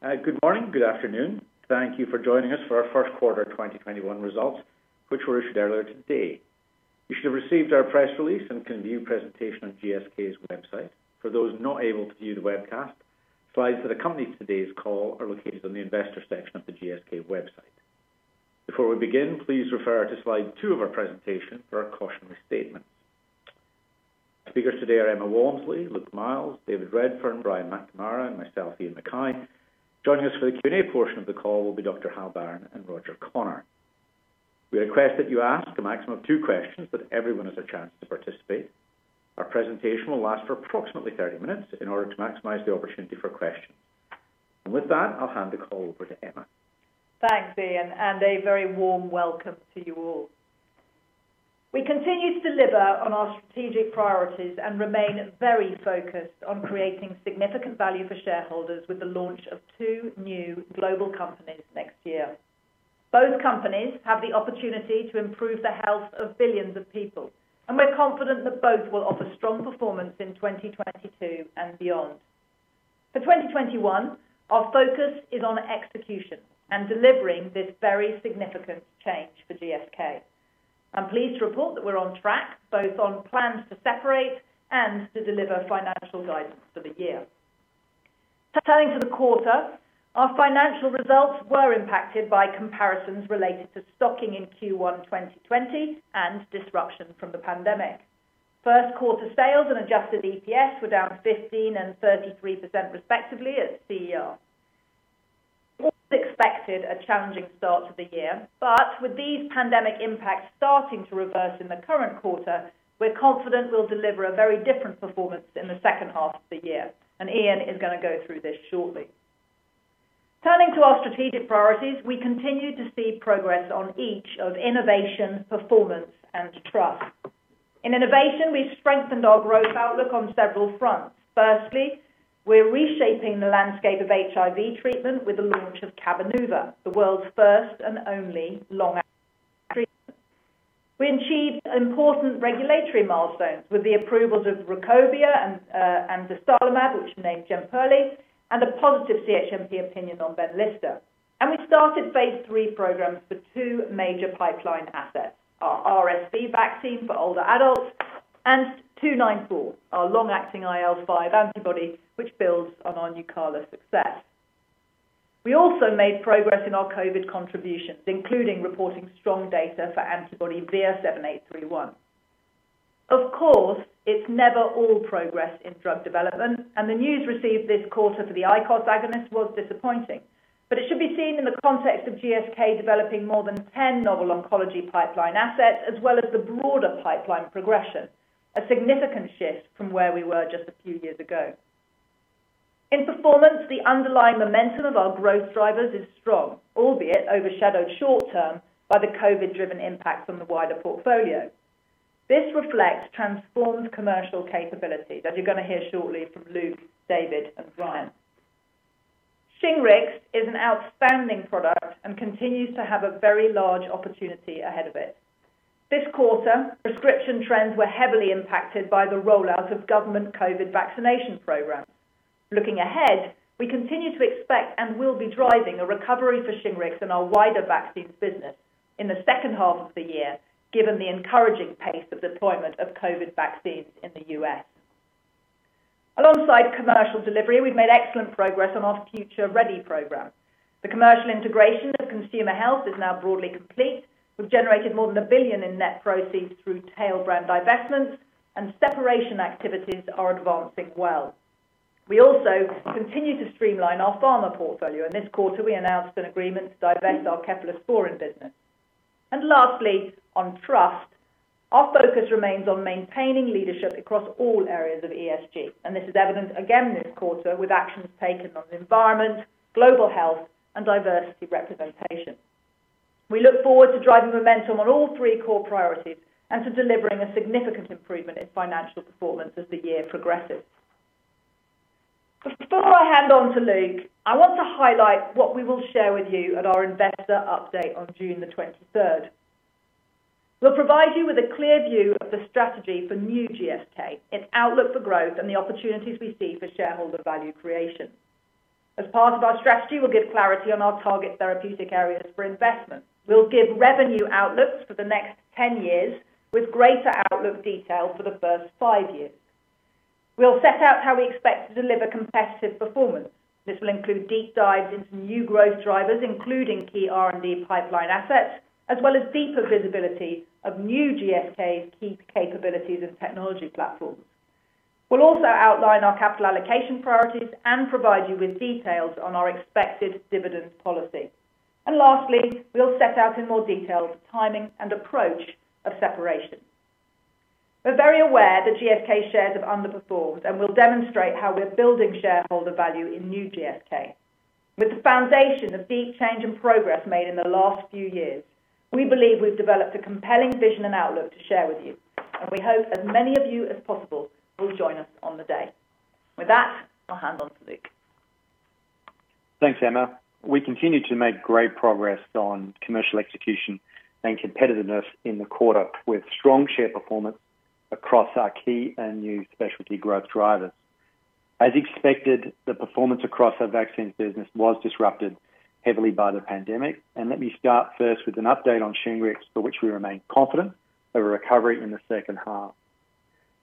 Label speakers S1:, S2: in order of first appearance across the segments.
S1: Good morning. Good afternoon. Thank you for joining us for our first quarter 2021 results, which were issued earlier today. You should have received our press release and can view presentation on GSK's website. For those not able to view the webcast, slides that accompany today's call are located on the investor section of the GSK website. Before we begin, please refer to Slide 2 of our presentation for our cautionary statements. Speakers today are Emma Walmsley, Luke Miels, David Redfern, Brian McNamara, and myself, Iain Mackay. Joining us for the Q&A portion of the call will be Dr Hal Barron and Roger Connor. We request that you ask a maximum of two questions so that everyone has a chance to participate. Our presentation will last for approximately 30 minutes in order to maximize the opportunity for questions. With that, I'll hand the call over to Emma.
S2: Thanks, Iain, a very warm welcome to you all. We continue to deliver on our strategic priorities and remain very focused on creating significant value for shareholders with the launch of two new global companies next year. Both companies have the opportunity to improve the health of billions of people, and we're confident that both will offer strong performance in 2022 and beyond. For 2021, our focus is on execution and delivering this very significant change for GSK. I'm pleased to report that we're on track, both on plans to separate and to deliver financial guidance for the year. Turning to the quarter, our financial results were impacted by comparisons related to stocking in Q1 2020 and disruption from the pandemic. First quarter sales and adjusted EPS were down 15% and 33% respectively at CER. We expected a challenging start to the year, but with these pandemic impacts starting to reverse in the current quarter, we're confident we'll deliver a very different performance in the second half of the year, and Iain is going to go through this shortly. Turning to our strategic priorities, we continue to see progress on each of innovation, performance, and trust. In innovation, we've strengthened our growth outlook on several fronts. Firstly, we're reshaping the landscape of HIV treatment with the launch of Cabenuva, the world's first and only long-acting treatment. We achieved important regulatory milestones with the approvals of Rukobia and dostarlimab, which is named Jemperli, and a positive CHMP opinion on Benlysta. We started phase III programs for two major pipeline assets, our RSV vaccine for older adults and 294, our long-acting IL-5 antibody, which builds on our Nucala success. We also made progress in our COVID contributions, including reporting strong data for antibody VIR-7831. Of course, it's never all progress in drug development, and the news received this quarter for the ICOS agonist was disappointing. It should be seen in the context of GSK developing more than 10 novel oncology pipeline assets, as well as the broader pipeline progression, a significant shift from where we were just a few years ago. In performance, the underlying momentum of our growth drivers is strong, albeit overshadowed short term by the COVID-driven impact on the wider portfolio. This reflects transformed commercial capabilities, as you're going to hear shortly from Luke, David, and Brian. Shingrix is an outstanding product and continues to have a very large opportunity ahead of it. This quarter, prescription trends were heavily impacted by the rollout of government COVID vaccination programs. Looking ahead, we continue to expect and will be driving a recovery for Shingrix and our wider vaccines business in the second half of the year, given the encouraging pace of deployment of COVID vaccines in the U.S. Alongside commercial delivery, we've made excellent progress on our Future Ready program. The commercial integration of consumer health is now broadly complete. We've generated more than 1 billion in net proceeds through tail brand divestments. Separation activities are advancing well. We also continue to streamline our pharma portfolio. In this quarter, we announced an agreement to divest our cephalosporins business. Lastly, on trust, our focus remains on maintaining leadership across all areas of ESG. This is evident again this quarter with actions taken on environment, global health, and diversity representation. We look forward to driving momentum on all three core priorities and to delivering a significant improvement in financial performance as the year progresses. Before I hand on to Luke, I want to highlight what we will share with you at our investor update on June the 23rd. We will provide you with a clear view of the strategy for new GSK, its outlook for growth, and the opportunities we see for shareholder value creation. As part of our strategy, we will give clarity on our target therapeutic areas for investment. We will give revenue outlooks for the next 10 years with greater outlook detail for the first five years. We will set out how we expect to deliver competitive performance. This will include deep dives into new growth drivers, including key R&D pipeline assets, as well as deeper visibility of new GSK's key capabilities and technology platforms. We'll also outline our capital allocation priorities and provide you with details on our expected dividends policy. Lastly, we'll set out in more detail the timing and approach of separation. We're very aware that GSK shares have underperformed. We'll demonstrate how we're building shareholder value in new GSK. With the foundation of deep change and progress made in the last few years, we believe we've developed a compelling vision and outlook to share with you. We hope that as many of you as possible will join us on the day. With that, I'll hand on to Luke.
S3: Thanks, Emma. We continue to make great progress on commercial execution and competitiveness in the quarter with strong share performance across our key and new specialty growth drivers. As expected, the performance across our vaccines business was disrupted heavily by the pandemic. Let me start first with an update on Shingrix, for which we remain confident of a recovery in the second half.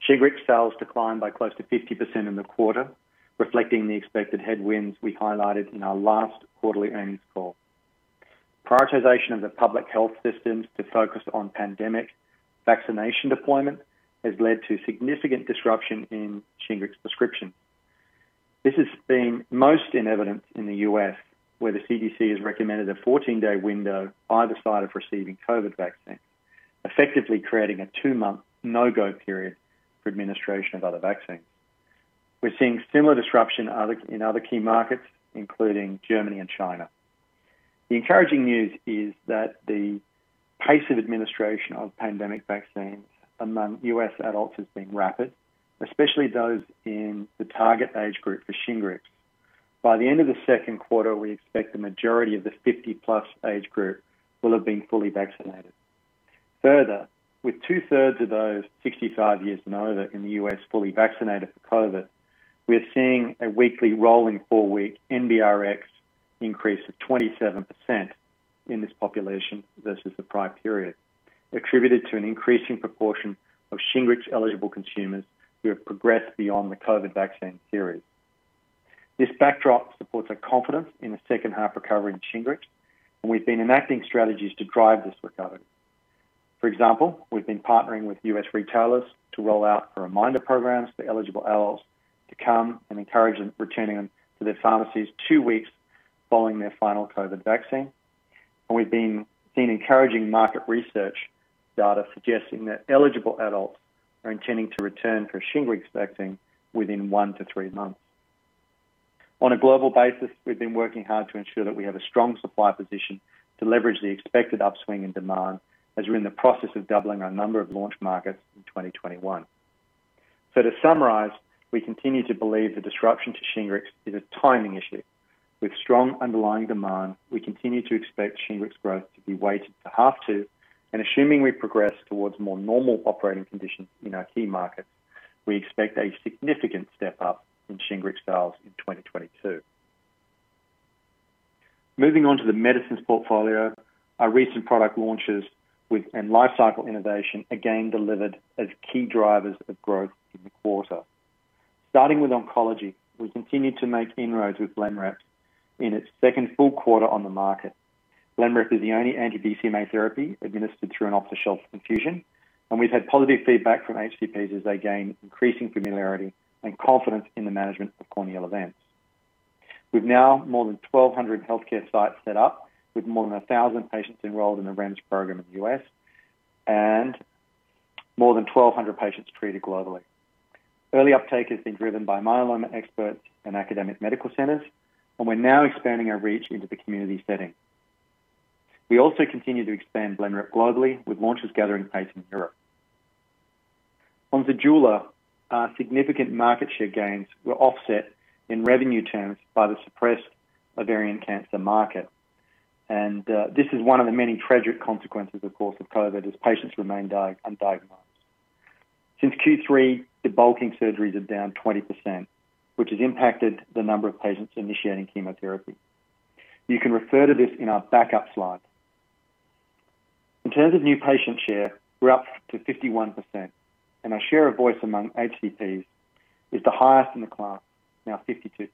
S3: Shingrix sales declined by close to 50% in the quarter, reflecting the expected headwinds we highlighted in our last quarterly earnings call. Prioritization of the public health systems to focus on pandemic vaccination deployment has led to significant disruption in Shingrix prescription. This has been most in evidence in the U.S., where the CDC has recommended a 14-day window either side of receiving COVID vaccine, effectively creating a two-month no-go period for administration of other vaccines. We're seeing similar disruption in other key markets, including Germany and China. The encouraging news is that the pace of administration of pandemic vaccines among U.S. adults has been rapid, especially those in the target age group for Shingrix. By the end of the second quarter, we expect the majority of the 50+ age group will have been fully vaccinated. Further, with two-thirds of those 65 years and over in the U.S. fully vaccinated for COVID, we are seeing a weekly rolling four-week NBRX increase of 27% in this population versus the prior period, attributed to an increasing proportion of Shingrix-eligible consumers who have progressed beyond the COVID vaccine series. This backdrop supports our confidence in the second half recovery in Shingrix, and we've been enacting strategies to drive this recovery. For example, we've been partnering with U.S. retailers to roll out a reminder program to eligible adults to come and encourage them, returning them to their pharmacies two weeks following their final COVID vaccine. We've seen encouraging market research data suggesting that eligible adults are intending to return for Shingrix vaccine within one to three months. On a global basis, we've been working hard to ensure that we have a strong supply position to leverage the expected upswing in demand as we're in the process of doubling our number of launch markets in 2021. To summarize, we continue to believe the disruption to Shingrix is a timing issue. With strong underlying demand, we continue to expect Shingrix growth to be weighted to half TWO, and assuming we progress towards more normal operating conditions in our key markets, we expect a significant step-up in Shingrix sales in 2022. Moving on to the medicines portfolio, our recent product launches and lifecycle innovation again delivered as key drivers of growth in the quarter. Starting with oncology, we continued to make inroads with Blenrep in its second full quarter on the market. Blenrep is the only anti-BCMA therapy administered through an off-the-shelf infusion, and we've had positive feedback from HCPs as they gain increasing familiarity and confidence in the management of corneal events. We've now more than 1,200 healthcare sites set up, with more than 1,000 patients enrolled in the REMS program in the U.S., and more than 1,200 patients treated globally. Early uptake has been driven by myeloma experts and academic medical centers, and we're now expanding our reach into the community setting. We also continue to expand Blenrep globally, with launches gathering pace in Europe. Onto Zejula, our significant market share gains were offset in revenue terms by the suppressed ovarian cancer market. This is one of the many tragic consequences, of course, of COVID as patients remain undiagnosed. Since Q3, debulking surgeries are down 20%, which has impacted the number of patients initiating chemotherapy. You can refer to this in our backup slides. In terms of new patient share, we're up to 51%, and our share of voice among HCPs is the highest in the class, now 52%.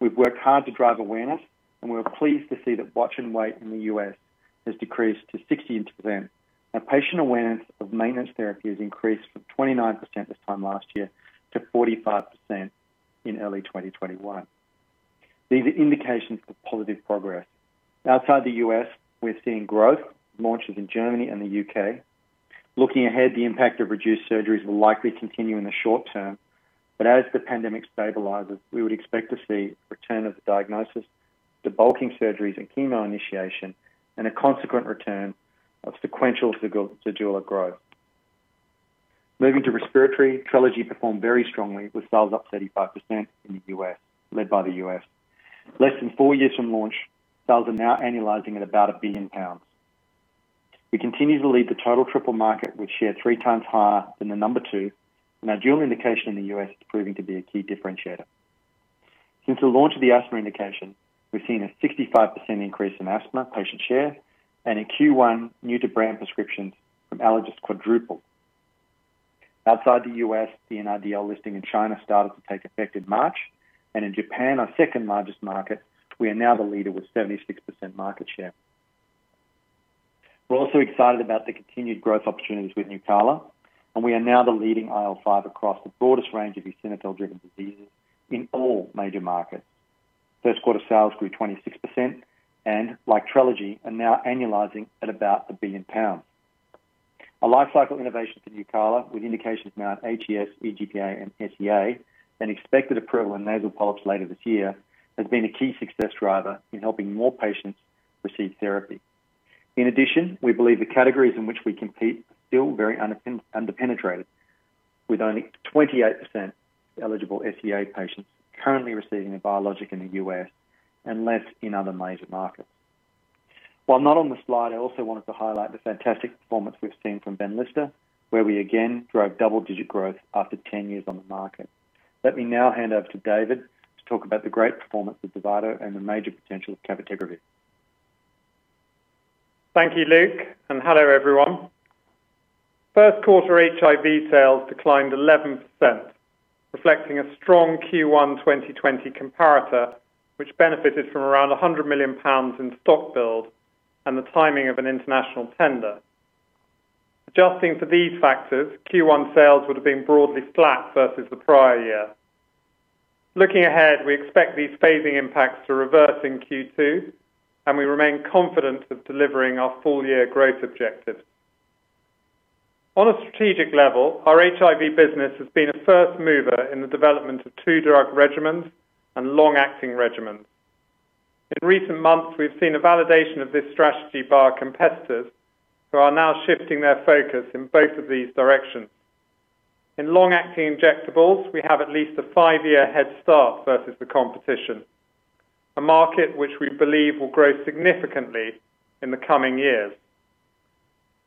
S3: We've worked hard to drive awareness, and we're pleased to see that watch and wait in the U.S. has decreased to 16%. Patient awareness of maintenance therapy has increased from 29% this time last year to 45% in early 2021. These are indications of positive progress. Outside the U.S., we're seeing growth launches in Germany and the U.K. Looking ahead, the impact of reduced surgeries will likely continue in the short term, but as the pandemic stabilizes, we would expect to see return of diagnosis, debulking surgeries and chemo initiation, and a consequent return of sequential Zejula growth. Moving to respiratory, Trelegy performed very strongly with sales up 35% led by the U.S. Less than four years from launch, sales are now annualizing at about 1 billion pounds. We continue to lead the total triple market with share three times higher than the number two, and our dual indication in the U.S. is proving to be a key differentiator. Since the launch of the asthma indication, we've seen a 65% increase in asthma patient share, and in Q1, new-to-brand prescriptions from allergists quadrupled. Outside the U.S., the NRDL listing in China started to take effect in March. In Japan, our second-largest market, we are now the leader with 76% market share. We're also excited about the continued growth opportunities with Nucala. We are now the leading IL-5 across the broadest range of eosinophil-driven diseases in all major markets. First quarter sales grew 26%. Like Trelegy, are now annualizing at about 1 billion pounds. Our lifecycle innovations in Nucala, with indications now at HES, EGPA, and SEA, expected approval in nasal polyps later this year, has been a key success driver in helping more patients receive therapy. In addition, we believe the categories in which we compete are still very under-penetrated, with only 28% of eligible SEA patients currently receiving a biologic in the U.S. and less in other major markets. While not on the slide, I also wanted to highlight the fantastic performance we've seen from Benlysta, where we again drove double-digit growth after 10 years on the market. Let me now hand over to David to talk about the great performance of Dovato and the major potential of cabotegravir.
S4: Thank you, Luke, and hello, everyone. First quarter HIV sales declined 11%, reflecting a strong Q1 2020 comparator, which benefited from around 100 million pounds in stock build and the timing of an international tender. Adjusting for these factors, Q1 sales would've been broadly flat versus the prior year. Looking ahead, we expect these phasing impacts to reverse in Q2, and we remain confident of delivering our full-year growth objective. On a strategic level, our HIV business has been a first mover in the development of two-drug regimens and long-acting regimens. In recent months, we've seen a validation of this strategy by our competitors, who are now shifting their focus in both of these directions. In long-acting injectables, we have at least a five-year head start versus the competition, a market which we believe will grow significantly in the coming years.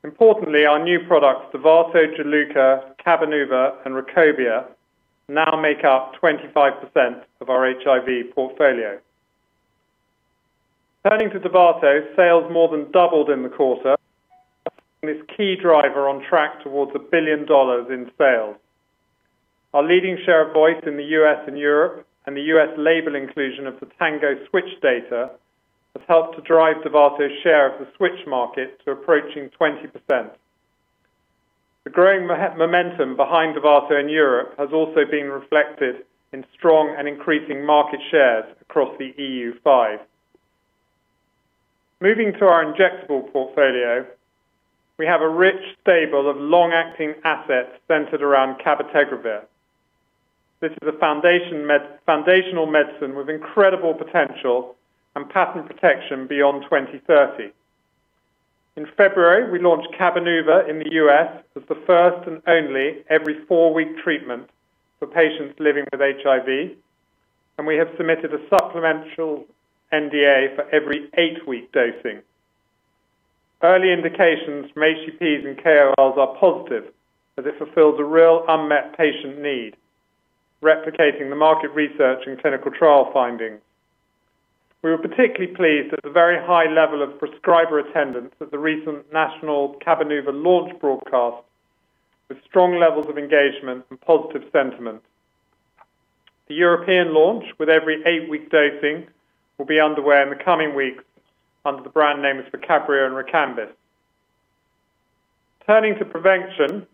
S4: Our new products, Dovato, Juluca, Cabenuva, and Rukobia now make up 25% of our HIV portfolio. Turning to Dovato, sales more than doubled in the quarter, making this key driver on track towards a $1 billion in sales. Our leading share of voice in the U.S. and Europe and the U.S. label inclusion of the TANGO switch data has helped to drive Dovato's share of the switch market to approaching 20%. The growing momentum behind Dovato in Europe has also been reflected in strong and increasing market shares across the EU5. Moving to our injectable portfolio, we have a rich stable of long-acting assets centered around cabotegravir. This is a foundational medicine with incredible potential and patent protection beyond 2030. In February, we launched Cabenuva in the U.S. as the first and only every four-week treatment for patients living with HIV, and we have submitted a supplemental NDA for every eight-week dosing. Early indications from HCPs and KOLs are positive as it fulfills a real unmet patient need, replicating the market research and clinical trial findings. We were particularly pleased at the very high level of prescriber attendance at the recent national Cabenuva launch broadcast with strong levels of engagement and positive sentiment. The European launch with every eight-week dosing will be underway in the coming weeks under the brand name rilpivirine or Rekambys. Turning to prevention,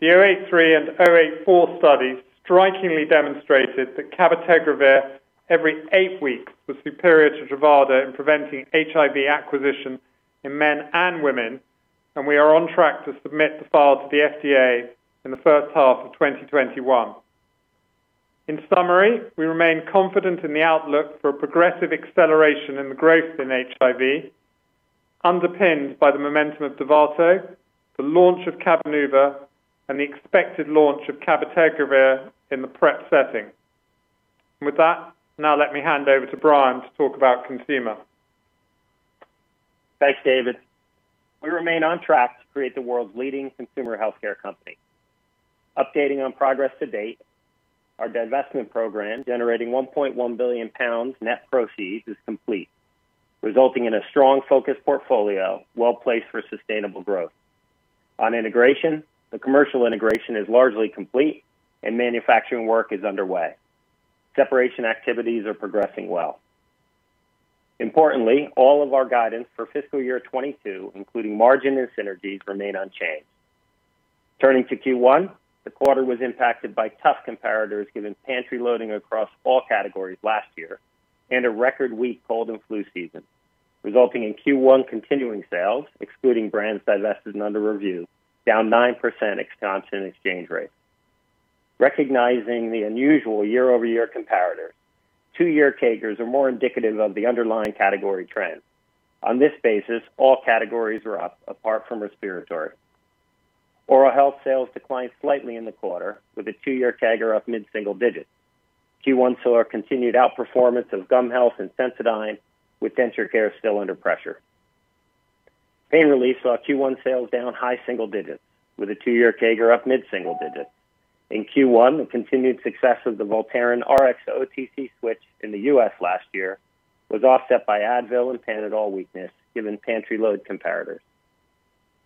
S4: the 083 and 084 studies strikingly demonstrated that cabotegravir every eight weeks was superior to Dovato in preventing HIV acquisition in men and women, and we are on track to submit the file to the FDA in the first half of 2021. In summary, we remain confident in the outlook for a progressive acceleration in the growth in HIV, underpinned by the momentum of Dovato, the launch of Cabenuva, and the expected launch of cabotegravir in the PrEP setting. With that, now let me hand over to Brian to talk about consumer.
S5: Thanks, David. We remain on track to create the world's leading consumer healthcare company. Updating on progress to date, our divestment program generating 1.1 billion pounds net proceeds is complete, resulting in a strong focus portfolio well-placed for sustainable growth. On integration, the commercial integration is largely complete and manufacturing work is underway. Separation activities are progressing well. Importantly, all of our guidance for FY 2022, including margin and synergies, remain unchanged. Turning to Q1, the quarter was impacted by tough comparators given pantry loading across all categories last year and a record weak cold and flu season, resulting in Q1 continuing sales, excluding brands divested and under review, down 9% at constant exchange rate. Recognizing the unusual year-over-year comparator, two-year CAGRs are more indicative of the underlying category trend. On this basis, all categories are up apart from respiratory. Oral health sales declined slightly in the quarter with a two-year CAGR up mid-single digits. Q1 saw our continued outperformance of gum health and Sensodyne with denture care still under pressure. Pain relief saw Q1 sales down high single digits with a two-year CAGR up mid-single digits. In Q1, the continued success of the Voltaren RX OTC switch in the U.S. last year was offset by Advil and Panadol weakness given pantry load comparators.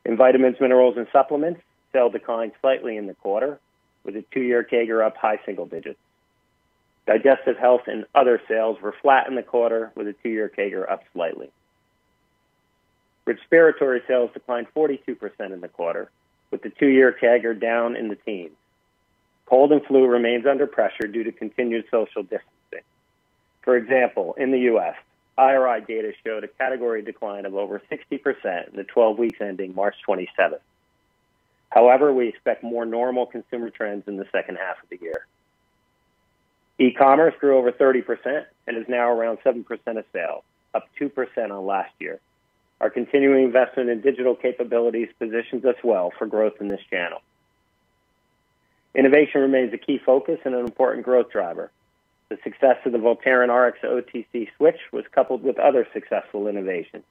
S5: In vitamins, minerals, and supplements, sales declined slightly in the quarter with a two-year CAGR up high single digits. Digestive health and other sales were flat in the quarter with a two-year CAGR up slightly. Respiratory sales declined 42% in the quarter with a two-year CAGR down in the teens. Cold and flu remains under pressure due to continued social distancing. For example, in the U.S., IRI data showed a category decline of over 60% in the 12 weeks ending March 27th. We expect more normal consumer trends in the second half of the year. E-commerce grew over 30% and is now around 7% of sales, up 2% on last year. Our continuing investment in digital capabilities positions us well for growth in this channel. Innovation remains a key focus and an important growth driver. The success of the Voltaren RX OTC switch was coupled with other successful innovations,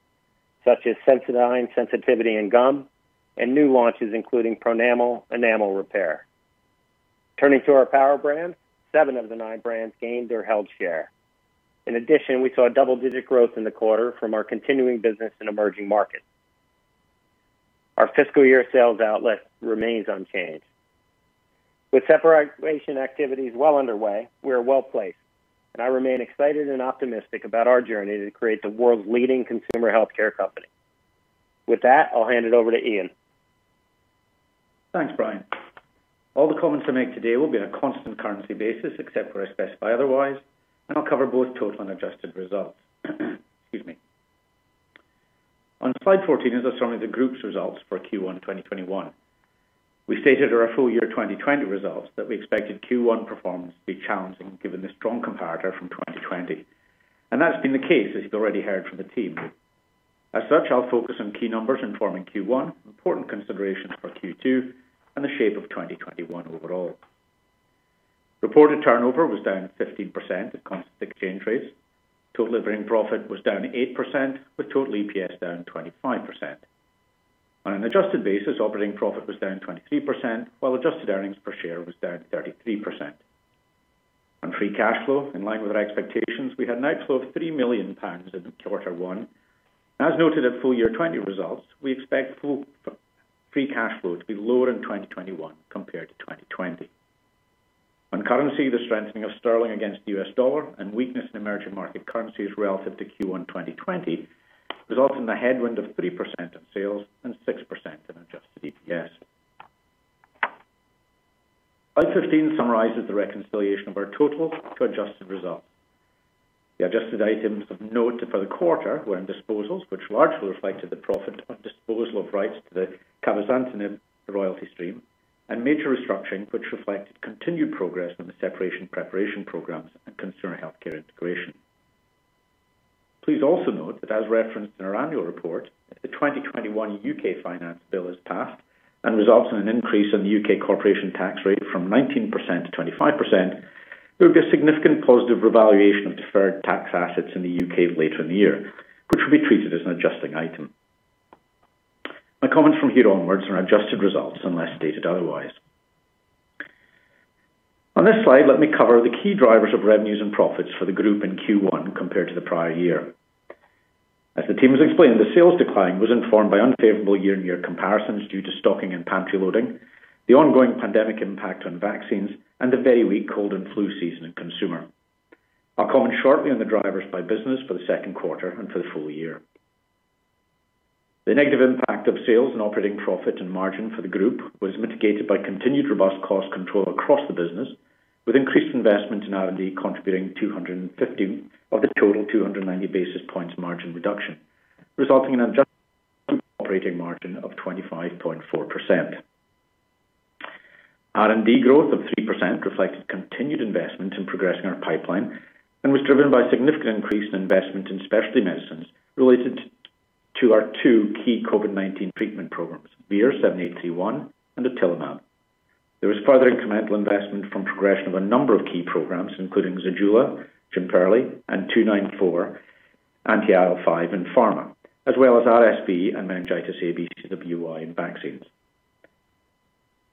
S5: such as Sensodyne Sensitivity and Gum, and new launches, including Pronamel Enamel Repair. Turning to our power brands, seven of the nine brands gained or held share. In addition, we saw a double-digit growth in the quarter from our continuing business in emerging markets. Our fiscal year sales outlook remains unchanged. With separation activities well underway, we are well-placed, and I remain excited and optimistic about our journey to create the world's leading consumer healthcare company. With that, I will hand it over to Iain.
S1: Thanks, Brian. All the comments I make today will be on a constant currency basis, except where I specify otherwise, and I'll cover both total and adjusted results. Excuse me. On Slide 14 is a summary of the group's results for Q1 2021. We stated our full year 2020 results, that we expected Q1 performance to be challenging given the strong comparator from 2020. That's been the case, as you've already heard from the team. As such, I'll focus on key numbers informing Q1, important considerations for Q2, and the shape of 2021 overall. Reported turnover was down 15% at constant exchange rates. Total operating profit was down 8%, with total EPS down 25%. On an adjusted basis, operating profit was down 23%, while adjusted earnings per share was down 33%. On free cash flow, in line with our expectations, we had an outflow of 3 million pounds in quarter one. As noted at full year 2020 results, we expect full free cash flow to be lower in 2021 compared to 2020. On currency, the strengthening of sterling against the US dollar and weakness in emerging market currencies relative to Q1 2020, resulting in the headwind of 3% in sales and 6% in adjusted EPS. Slide 15 summarizes the reconciliation of our total to adjusted results. The adjusted items of note for the quarter were in disposals, which largely reflected the profit on disposal of rights to the cabozantinib royalty stream, and major restructuring, which reflected continued progress on the separation preparation programs and consumer healthcare integration. Please also note that as referenced in our annual report, if the 2021 U.K. Finance Bill is passed and results in an increase in the U.K. corporation tax rate from 19% to 25%, there will be a significant positive revaluation of deferred tax assets in the U.K. later in the year, which will be treated as an adjusting item. My comments from here onwards are adjusted results unless stated otherwise. On this slide, let me cover the key drivers of revenues and profits for the group in Q1 compared to the prior year. As the team has explained, the sales decline was informed by unfavorable year-on-year comparisons due to stocking and pantry loading, the ongoing pandemic impact on vaccines, and a very weak cold and flu season in consumer. I'll comment shortly on the drivers by business for the second quarter and for the full year. The negative impact of sales and operating profit and margin for the group was mitigated by continued robust cost control across the business, with increased investment in R&D contributing 215 of the total 290 basis points margin reduction, resulting in an adjusted operating margin of 25.4%. R&D growth of 3% reflected continued investment in progressing our pipeline and was driven by significant increase in investment in specialty medicines related to our two key COVID-19 treatment programs, VIR-7831 and otilimab. There was further incremental investment from progression of a number of key programs, including Zejula, Jemperli, and 294 Anti-IL5 in pharma, as well as RSV and meningitis ABCWY vaccines.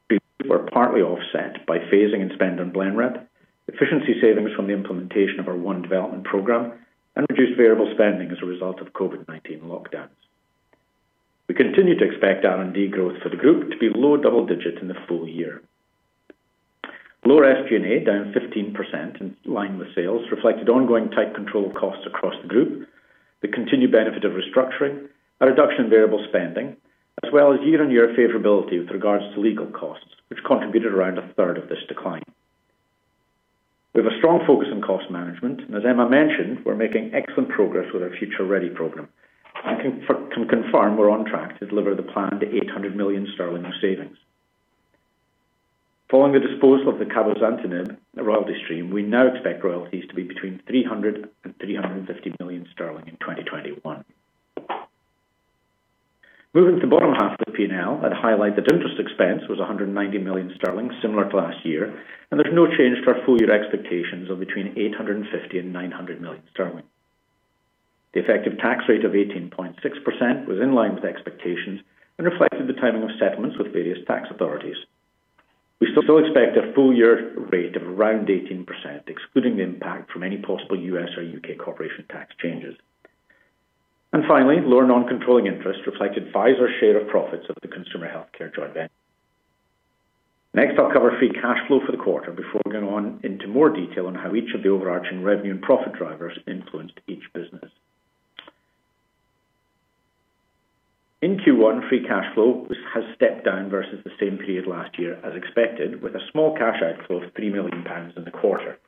S1: These were partly offset by phasing and spend on Blenrep, efficiency savings from the implementation of our ONE development program, and reduced variable spending as a result of COVID-19 lockdowns. We continue to expect R&D growth for the group to be low double digits in the full year. Lower SG&A, down 15% in line with sales, reflected ongoing tight control of costs across the group, the continued benefit of restructuring, a reduction in variable spending, as well as year-on-year favorability with regards to legal costs, which contributed around a third of this decline. We have a strong focus on cost management. As Emma mentioned, we're making excellent progress with our Future Ready program. I can confirm we're on track to deliver the planned 800 million sterling of savings. Following the disposal of the cabozantinib royalty stream, we now expect royalties to be between 300 million sterling and 350 million sterling in 2021. Moving to the bottom half of the P&L, I'd highlight that interest expense was 190 million sterling, similar to last year, and there's no change to our full-year expectations of between 850 million and 900 million sterling. The effective tax rate of 18.6% was in line with expectations and reflected the timing of settlements with various tax authorities. We still expect a full-year rate of around 18%, excluding the impact from any possible U.S. or U.K. corporation tax changes. Finally, lower non-controlling interest reflected Pfizer's share of profits of the consumer healthcare joint venture. Next, I'll cover free cash flow for the quarter before going on into more detail on how each of the overarching revenue and profit drivers influenced each business. In Q1, free cash flow has stepped down versus the same period last year as expected, with a small cash outflow of 3 million pounds in the quarter.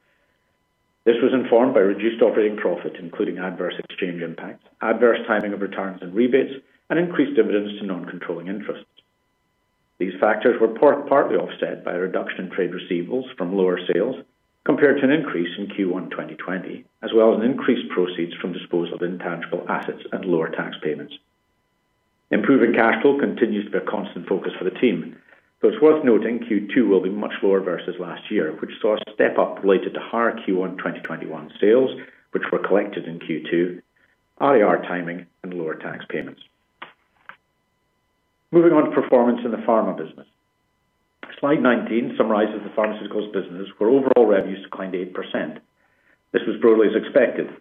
S1: This was informed by reduced operating profit, including adverse exchange impacts, adverse timing of returns and rebates, and increased dividends to non-controlling interests. These factors were partly offset by a reduction in trade receivables from lower sales, compared to an increase in Q1 2020, as well as an increased proceeds from disposal of intangible assets and lower tax payments. Improving cash flow continues to be a constant focus for the team. It's worth noting Q2 will be much lower versus last year, which saw a step-up related to higher Q1 2021 sales, which were collected in Q2, IR timing, and lower tax payments. Moving on to performance in the Pharma business. Slide 19 summarizes the pharmaceuticals business, where overall revenues declined 8%. This was broadly as expected.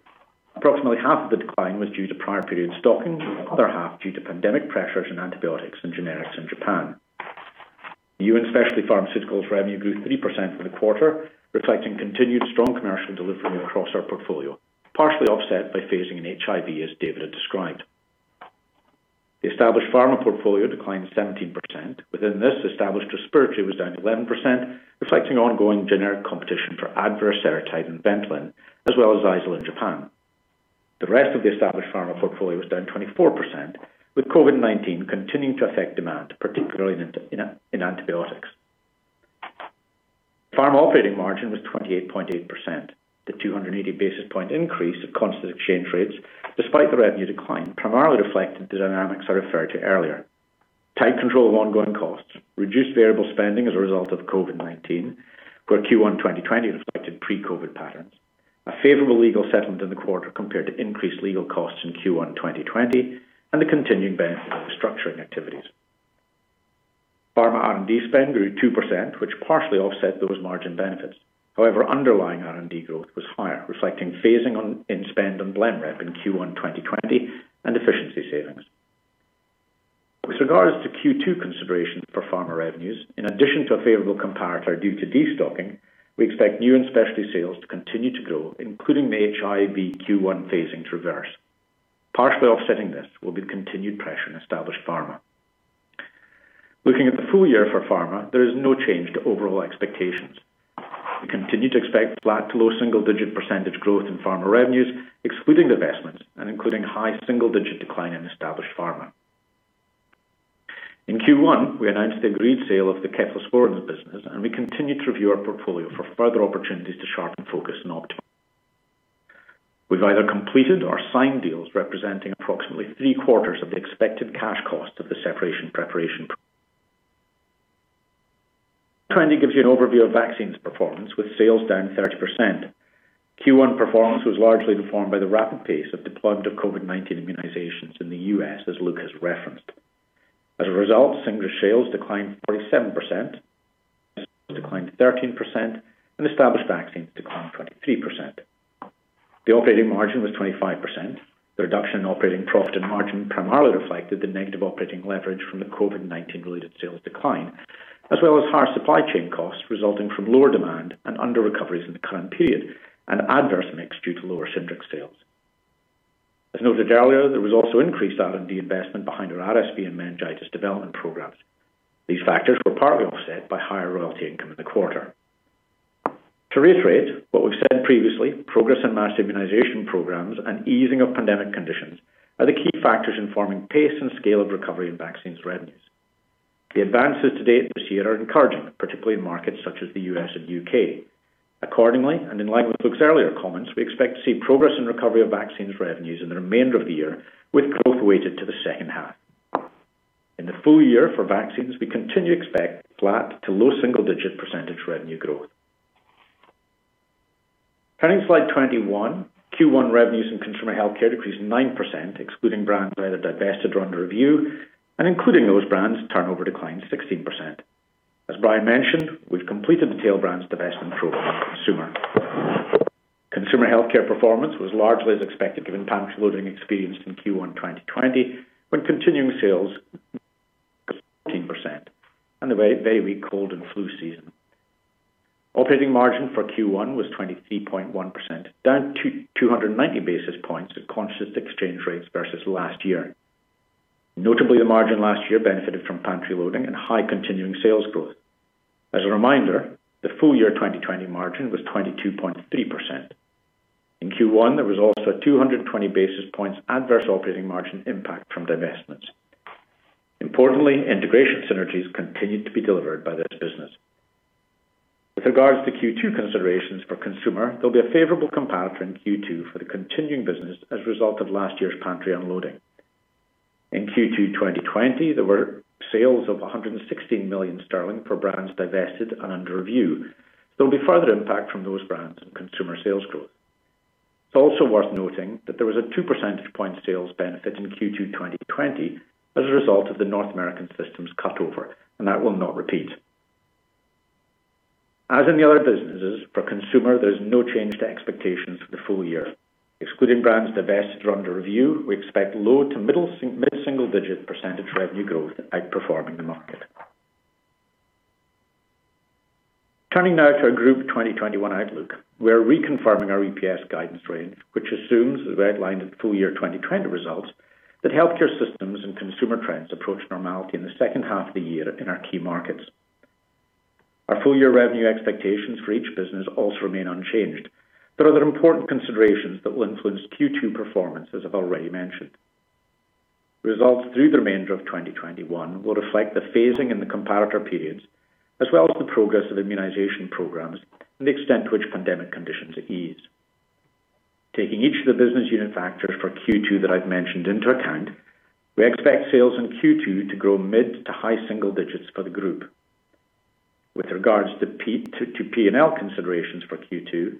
S1: Approximately half of the decline was due to prior-period stocking, the other half due to pandemic pressures in antibiotics and generics in Japan. New and specialty pharmaceuticals revenue grew 3% for the quarter, reflecting continued strong commercial delivery across our portfolio, partially offset by phasing in HIV, as David had described. The established pharma portfolio declined 17%. Within this, established respiratory was down 11%, reflecting ongoing generic competition for Advair, Seretide, and Ventolin, as well as Xyzal in Japan. The rest of the established pharma portfolio was down 24%, with COVID-19 continuing to affect demand, particularly in antibiotics. Pharma operating margin was 28.8%, the 280 basis point increase at constant exchange rates despite the revenue decline, primarily reflected the dynamics I referred to earlier, tight control of ongoing costs, reduced variable spending as a result of COVID-19, where Q1 2020 reflected pre-COVID patterns, a favorable legal settlement in the quarter compared to increased legal costs in Q1 2020, and the continuing benefit of restructuring activities. Pharma R&D spend grew 2%, which partially offset those margin benefits. Underlying R&D growth was higher, reflecting phasing in spend on Blenrep in Q1 2020 and efficiency savings. With regards to Q2 considerations for pharma revenues, in addition to a favorable comparator due to destocking, we expect new and specialty sales to continue to grow, including the HIV Q1 phasing traverse. Partially offsetting this will be the continued pressure in established pharma. Looking at the full year for pharma, there is no change to overall expectations. We continue to expect flat to low single-digit percentage growth in pharma revenues, excluding divestments and including high single-digit decline in established pharma. In Q1, we announced the agreed sale of the cephalosporins business. We continued to review our portfolio for further opportunities to sharpen focus and optimize. We've either completed or signed deals representing approximately three-quarters of the expected cash cost of the separation preparation. Slide 20 gives you an overview of vaccines performance with sales down 30%. Q1 performance was largely informed by the rapid pace of deployment of COVID-19 immunizations in the U.S., as Luke has referenced. As a result, Shingrix sales declined 47%, Declined 13%, and established vaccines declined 23%. The operating margin was 25%. The reduction in operating profit and margin primarily reflected the negative operating leverage from the COVID-19 related sales decline, as well as higher supply chain costs resulting from lower demand and underrecoveries in the current period and adverse mix due to lower Shingrix sales. As noted earlier, there was also increased R&D investment behind our RSV and meningitis development programs. These factors were partly offset by higher royalty income in the quarter. To reiterate what we've said previously, progress in mass immunization programs and easing of pandemic conditions are the key factors in forming pace and scale of recovery in vaccines revenues. The advances to date this year are encouraging, particularly in markets such as the U.S. and U.K. Accordingly, in line with Luke's earlier comments, we expect to see progress in recovery of vaccines revenues in the remainder of the year, with growth weighted to the second half. In the full year for vaccines, we continue to expect flat to low single-digit percentage revenue growth. Turning to slide 21, Q1 revenues in Consumer Healthcare decreased 9%, excluding brands either divested or under review, and including those brands, turnover declined 16%. As Brian mentioned, we've completed the tail brands divestment program for Consumer Healthcare. Consumer healthcare performance was largely as expected given pantry loading experienced in Q1 2020, when continuing sales 13% and a very weak cold and flu season. Operating margin for Q1 was 23.1%, down 290 basis points at constant exchange rates versus last year. Notably, the margin last year benefited from pantry loading and high continuing sales growth. As a reminder, the full year 2020 margin was 22.3%. In Q1, there was also a 220 basis points adverse operating margin impact from divestments. Importantly, integration synergies continued to be delivered by this business. With regards to Q2 considerations for consumer, there'll be a favorable comparator in Q2 for the continuing business as a result of last year's pantry unloading. In Q2 2020, there were sales of 116 million sterling for brands divested and under review. There'll be further impact from those brands on consumer sales growth. It's also worth noting that there was a two percentage point sales benefit in Q2 2020 as a result of the North American systems cut over, and that will not repeat. As in the other businesses, for consumer, there is no change to expectations for the full year. Excluding brands divested or under review, we expect low to mid-single digit percentage revenue growth outperforming the market. Turning now to our Group 2021 outlook. We are reconfirming our EPS guidance range, which assumes, as outlined in the full year 2020 results, that healthcare systems and consumer trends approach normality in the second half of the year in our key markets. Our full-year revenue expectations for each business also remain unchanged, but other important considerations that will influence Q2 performance, as I've already mentioned. Results through the remainder of 2021 will reflect the phasing in the comparator periods, as well as the progress of immunization programs and the extent to which pandemic conditions ease. Taking each of the business unit factors for Q2 that I've mentioned into account, we expect sales in Q2 to grow mid to high single digits for the group. With regards to P&L considerations for Q2,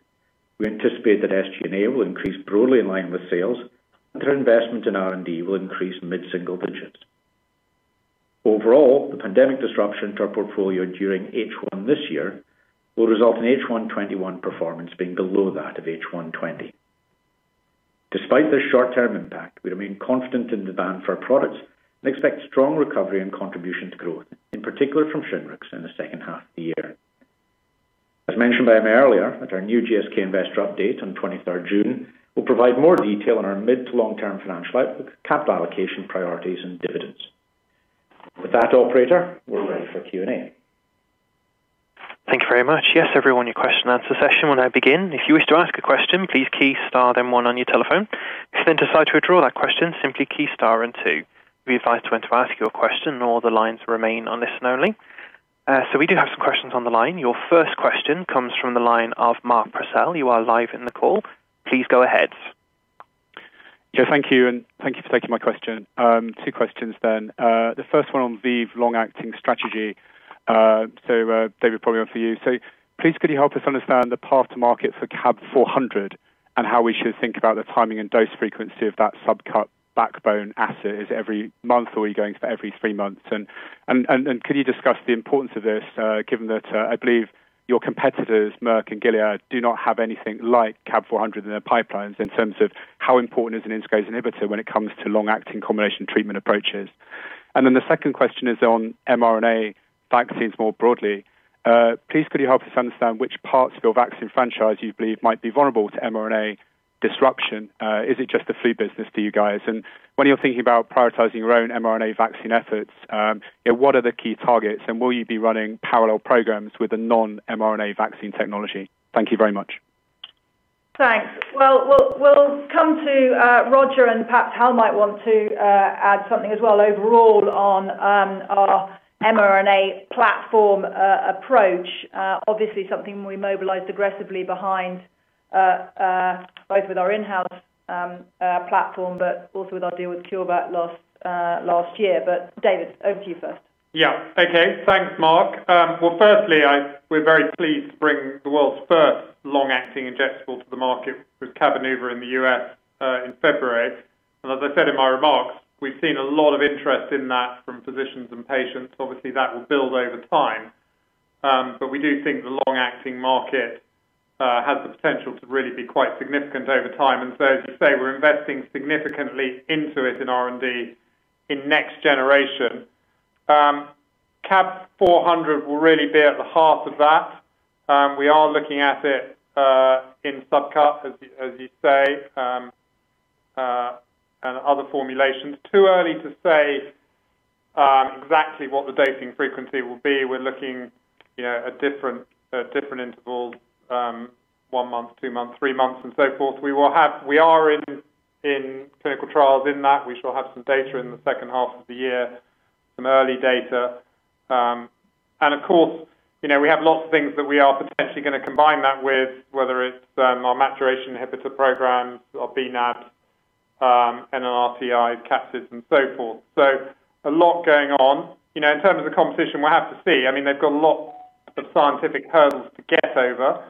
S1: we anticipate that SG&A will increase broadly in line with sales, and our investment in R&D will increase mid single digits. Overall, the pandemic disruption to our portfolio during H1 this year will result in H1 2021 performance being below that of H1 2020. Despite this short-term impact, we remain confident in the demand for our products and expect strong recovery and contribution to growth, in particular from Shingrix in the second half of the year. As mentioned by Emma earlier, at our new GSK Investor Update on 23rd June, we'll provide more detail on our mid to long-term financial outlook, capital allocation priorities, and dividends. With that, operator, we're ready for Q&A.
S6: Thank you very much. The question and answer session will now begin. If you wish to ask a question, please key star then one on your telephone. If you decide to withdraw that question, simply key star and two. We advise then to ask your question all the lines remain on listen only. So we do have questions on the line. Your first question comes from the line of Mark Purcell. You are live in the call. Please go ahead.
S7: Thank you, and thank you for taking my question. Two questions. The first one on ViiV long-acting strategy. David, probably one for you. Please could you help us understand the path to market for CAB 400 and how we should think about the timing and dose frequency of that sub-cut backbone asset. Is it every month, or are you going for every three months? Could you discuss the importance of this, given that, I believe your competitors, Merck and Gilead, do not have anything like CAB 400 in their pipelines in terms of how important is an integrase inhibitor when it comes to long-acting combination treatment approaches? The second question is on mRNA vaccines more broadly. Please could you help us understand which parts of your vaccine franchise you believe might be vulnerable to mRNA disruption? Is it just the flu business to you guys? When you're thinking about prioritizing your own mRNA vaccine efforts, what are the key targets, and will you be running parallel programs with the non-mRNA vaccine technology? Thank you very much.
S2: Thanks. Well, we'll come to Roger, and perhaps Hal might want to add something as well, overall on our mRNA platform approach. Obviously something we mobilized aggressively behind both with our in-house platform, but also with our deal with CureVac last year. David, over to you first.
S4: Yeah. Okay. Thanks, Mark. Well, firstly, we're very pleased to bring the world's first long-acting injectable to the market with Cabenuva in the U.S. in February. As I said in my remarks, we've seen a lot of interest in that from physicians and patients. Obviously, that will build over time. We do think the long-acting market has the potential to really be quite significant over time. As you say, we're investing significantly into it in R&D in next generation. CAB 400 will really be at the heart of that. We are looking at it in sub-cut, as you say, and other formulations. Too early to say exactly what the dosing frequency will be. We're looking at different intervals. One month, two months, three months and so forth. We are in clinical trials in that. We shall have some data in the second half of the year, some early data. Of course, we have lots of things that we are potentially going to combine that with, whether it's our maturation inhibitor programs, our bNAb, NNRTI, CAIs, and so forth. A lot going on. In terms of the competition, we'll have to see. They've got lots of scientific hurdles to get over.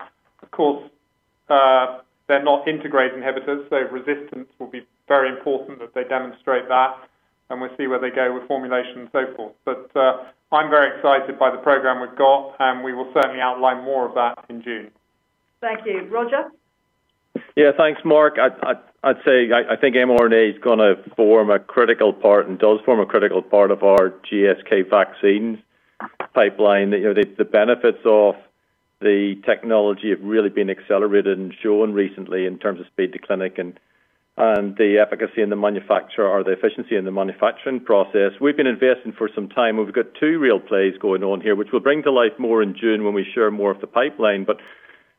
S4: They're not integrated inhibitors, so resistance will be very important that they demonstrate that, and we'll see where they go with formulation and so forth. I'm very excited by the program we've got, and we will certainly outline more of that in June.
S2: Thank you. Roger?
S8: Yeah, thanks, Mark. I'd say I think mRNA's going to form a critical part and does form a critical part of our GSK vaccines pipeline. The benefits of the technology have really been accelerated and shown recently in terms of speed to clinic and the efficacy in the manufacture or the efficiency in the manufacturing process. We've been investing for some time. We've got two real plays going on here, which we'll bring to life more in June when we share more of the pipeline.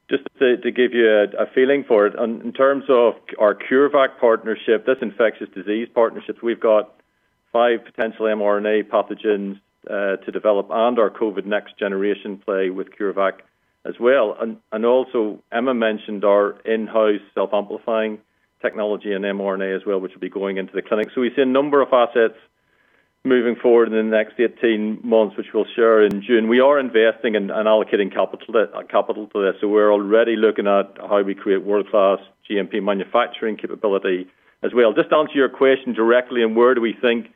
S8: Just to give you a feeling for it, in terms of our CureVac partnership, this infectious disease partnership, we've got five potential mRNA pathogens to develop and our COVID next generation play with CureVac as well. Also, Emma mentioned our in-house self-amplifying technology and mRNA as well, which will be going into the clinic. We see a number of assets moving forward in the next 18 months, which we'll share in June. We are investing and allocating capital to this. We're already looking at how we create world-class GMP manufacturing capability as well. Just to answer your question directly on where do we think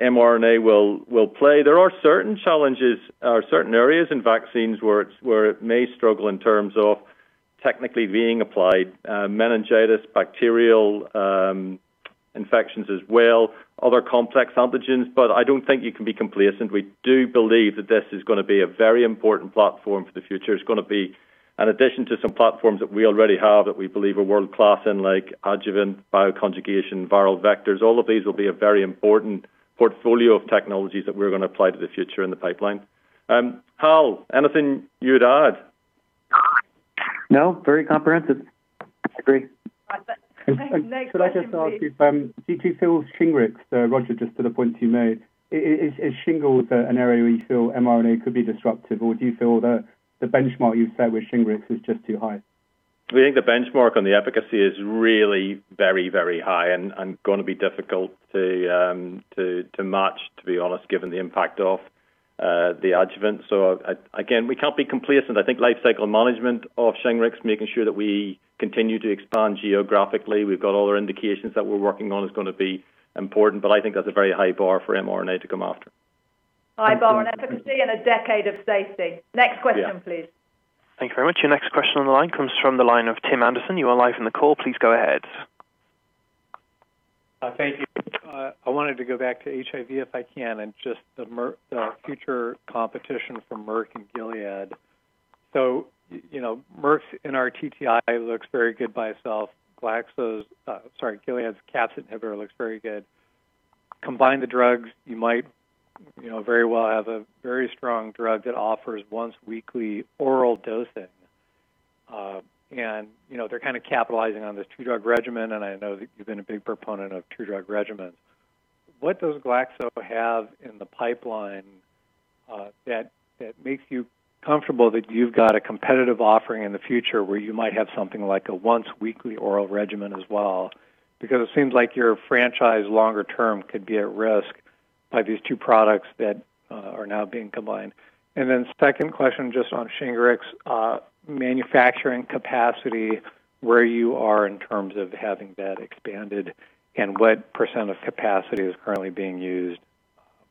S8: mRNA will play, there are certain challenges or certain areas in vaccines where it may struggle in terms of technically being applied. Meningitis, bacterial infections as well, other complex antigens, but I don't think you can be complacent. We do believe that this is going to be a very important platform for the future. It's going to be an addition to some platforms that we already have that we believe are world-class in, like adjuvant, bioconjugation, viral vectors. All of these will be a very important portfolio of technologies that we're going to apply to the future in the pipeline. Hal, anything you'd add?
S9: No, very comprehensive.
S2: I agree. Next question please.
S7: Could I just ask you, do you feel with Shingrix, Roger, just to the point you made, is shingles an area where you feel mRNA could be disruptive, or do you feel the benchmark you set with Shingrix is just too high?
S8: We think the benchmark on the efficacy is really very, very high and going to be difficult to match, to be honest, given the impact of the adjuvant. Again, we can't be complacent. I think life cycle management of Shingrix, making sure that we continue to expand geographically. We've got other indications that we're working on, is going to be important. I think that's a very high bar for mRNA to come after.
S2: High bar on efficacy and a decade of safety. Next question, please.
S6: Thank you very much. Your next question on the line comes from the line of Tim Anderson. You are live on the call. Please go ahead.
S10: Thank you. I wanted to go back to HIV, if I can, and just the future competition from Merck and Gilead. Merck's NRTTI looks very good by itself. Gilead's capsid inhibitor looks very good. Combine the drugs, you might very well have a very strong drug that offers once-weekly oral dosing. They're capitalizing on this two-drug regimen, and I know that you've been a big proponent of two-drug regimens. What does Glaxo have in the pipeline that makes you comfortable that you've got a competitive offering in the future where you might have something like a once-weekly oral regimen as well? It seems like your franchise longer term could be at risk by these two products that are now being combined. Second question, just on Shingrix manufacturing capacity, where you are in terms of having that expanded and what percent of capacity is currently being used.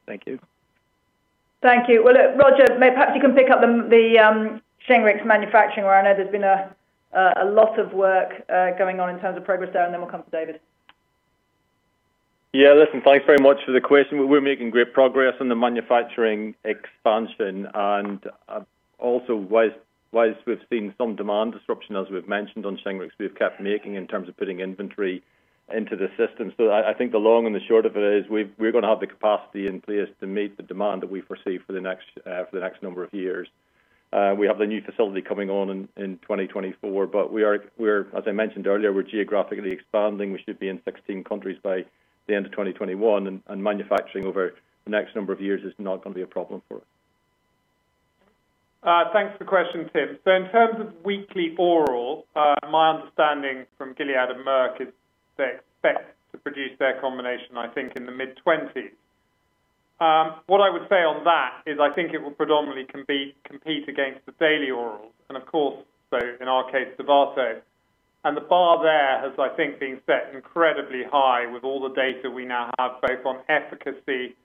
S10: Thank you.
S2: Thank you. Look, Roger, perhaps you can pick up the Shingrix manufacturing, where I know there's been a lot of work going on in terms of progress there, and then we'll come to David.
S8: Listen, thanks very much for the question. We're making great progress on the manufacturing expansion, and also whilst we've seen some demand disruption, as we've mentioned, on Shingrix, we've kept making in terms of putting inventory into the system. I think the long and the short of it is we're going to have the capacity in place to meet the demand that we foresee for the next number of years. We have the new facility coming on in 2024. As I mentioned earlier, we're geographically expanding. We should be in 16 countries by the end of 2021. Manufacturing over the next number of years is not going to be a problem for us.
S4: Thanks for the question, Tim. In terms of weekly oral, my understanding from Gilead and Merck is they expect to produce their combination, I think, in the mid-20s. What I would say on that is I think it will predominantly compete against the daily orals, of course, in our case, Dovato. The bar there has, I think, been set incredibly high with all the data we now have both on efficacy,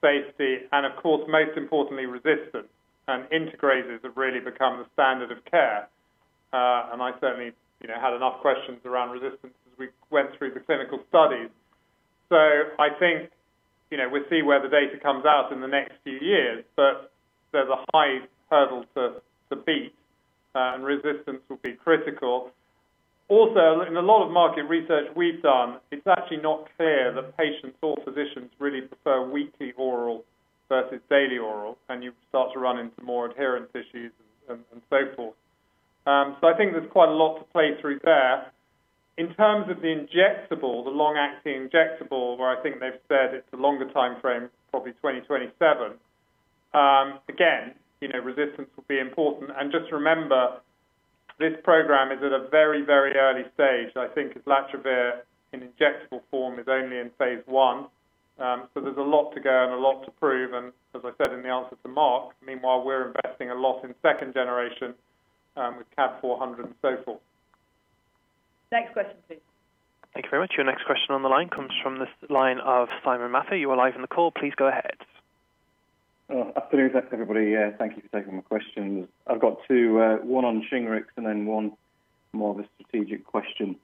S4: safety, and of course, most importantly, resistance. Integrases have really become the standard of care. I certainly had enough questions around resistance as we went through the clinical studies. I think we'll see where the data comes out in the next few years. There's a high hurdle to beat, resistance will be critical. Also, in a lot of market research we've done, it's actually not clear that patients or physicians really prefer weekly oral versus daily oral, and you start to run into more adherence issues and so forth. I think there's quite a lot to play through there. In terms of the injectable, the long-acting injectable, where I think they've said it's a longer timeframe, probably 2027. Again, resistance will be important. Just remember, this program is at a very, very early stage. I think islatravir in injectable form is only in phase I. There's a lot to go and a lot to prove. As I said in the answer to Mark, meanwhile, we're investing a lot in second generation with CAB 400 and so forth.
S2: Next question, please.
S6: Thank you very much. Your next question on the line comes from the line of Simon Mather. You are live on the call. Please go ahead.
S11: Afternoon, everybody. Thank you for taking my questions. I've got two. One on Shingrix and then one more of a strategic question.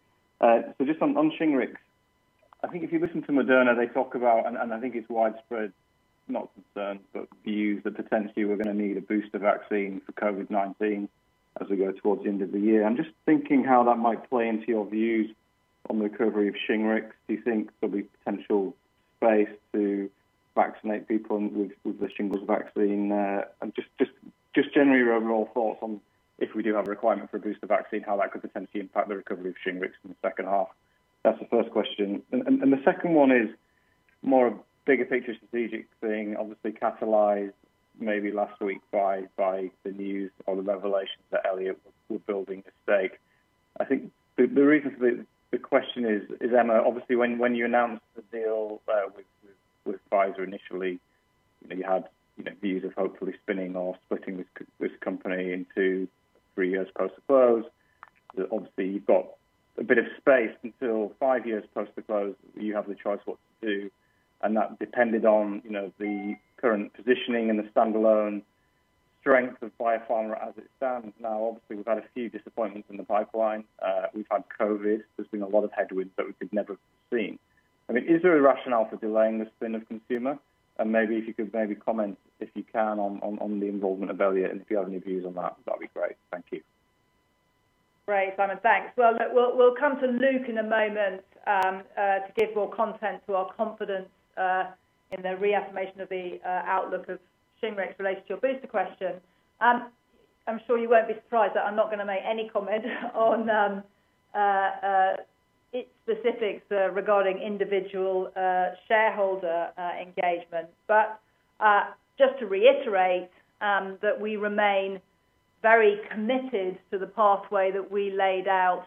S11: Just on Shingrix, I think if you listen to Moderna, they talk about, and I think it's widespread, not concern, but views that potentially we're going to need a booster vaccine for COVID-19 as we go towards the end of the year. I'm just thinking how that might play into your views on the recovery of Shingrix. Do you think there'll be potential space to vaccinate people with the shingles vaccine? Just generally your overall thoughts on if we do have a requirement for a booster vaccine, how that could potentially impact the recovery of Shingrix in the second half. That's the first question. The second one is more of bigger picture strategic thing, obviously catalyzed maybe last week by the news or the revelations that Elliott were building a stake. I think the reason for the question is, Emma, obviously, when you announced the deal with Pfizer initially, you had views of hopefully spinning or splitting this company into three years post the close. Obviously, you've got a bit of space until five years post the close, you have the choice what to do, and that depended on the current positioning and the standalone strength of Biopharma as it stands now. Obviously, we've had a few disappointments in the pipeline. We've had COVID. There's been a lot of headwinds that we could never have seen. Is there a rationale for delaying the spin of consumer? Maybe if you could maybe comment, if you can, on the involvement of Elliott, and if you have any views on that'd be great. Thank you.
S2: Great, Simon. Thanks. We'll come to Luke in a moment to give more content to our confidence in the reaffirmation of the outlook of Shingrix related to your booster question. I'm sure you won't be surprised that I'm not going to make any comment on its specifics regarding individual shareholder engagement. Just to reiterate that we remain very committed to the pathway that we laid out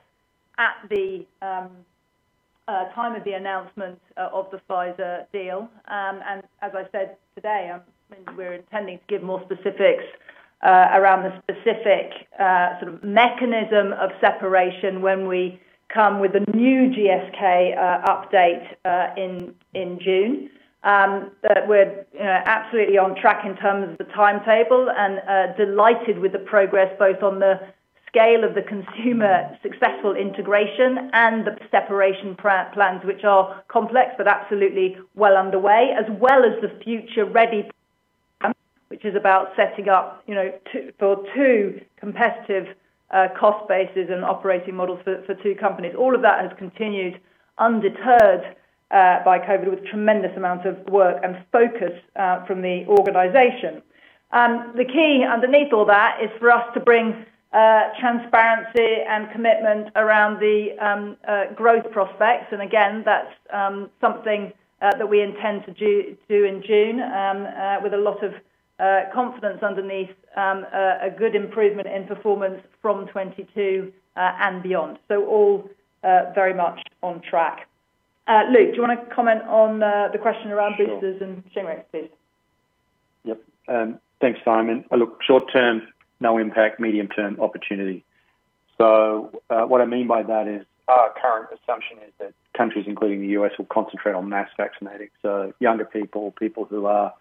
S2: at the time of the announcement of the Pfizer deal. As I said today, we're intending to give more specifics around the specific sort of mechanism of separation when we come with a new GSK update in June. We're absolutely on track in terms of the timetable, and delighted with the progress, both on the scale of the consumer successful integration and the separation plans, which are complex, but absolutely well underway, as well as the Future Ready which is about setting up for two competitive cost bases and operating models for two companies. All of that has continued undeterred by COVID with tremendous amounts of work and focus from the organization. The key underneath all that is for us to bring transparency and commitment around the growth prospects. Again, that's something that we intend to do in June with a lot of confidence underneath a good improvement in performance from 2022 and beyond. All very much on track. Luke, do you want to comment on the question around boostersand Shingrix, please?
S3: Yep. Thanks, Simon. Look, short term, no impact. Medium term, opportunity. What I mean by that is our current assumption is that countries, including the U.S., will concentrate on mass vaccinating. Younger people who are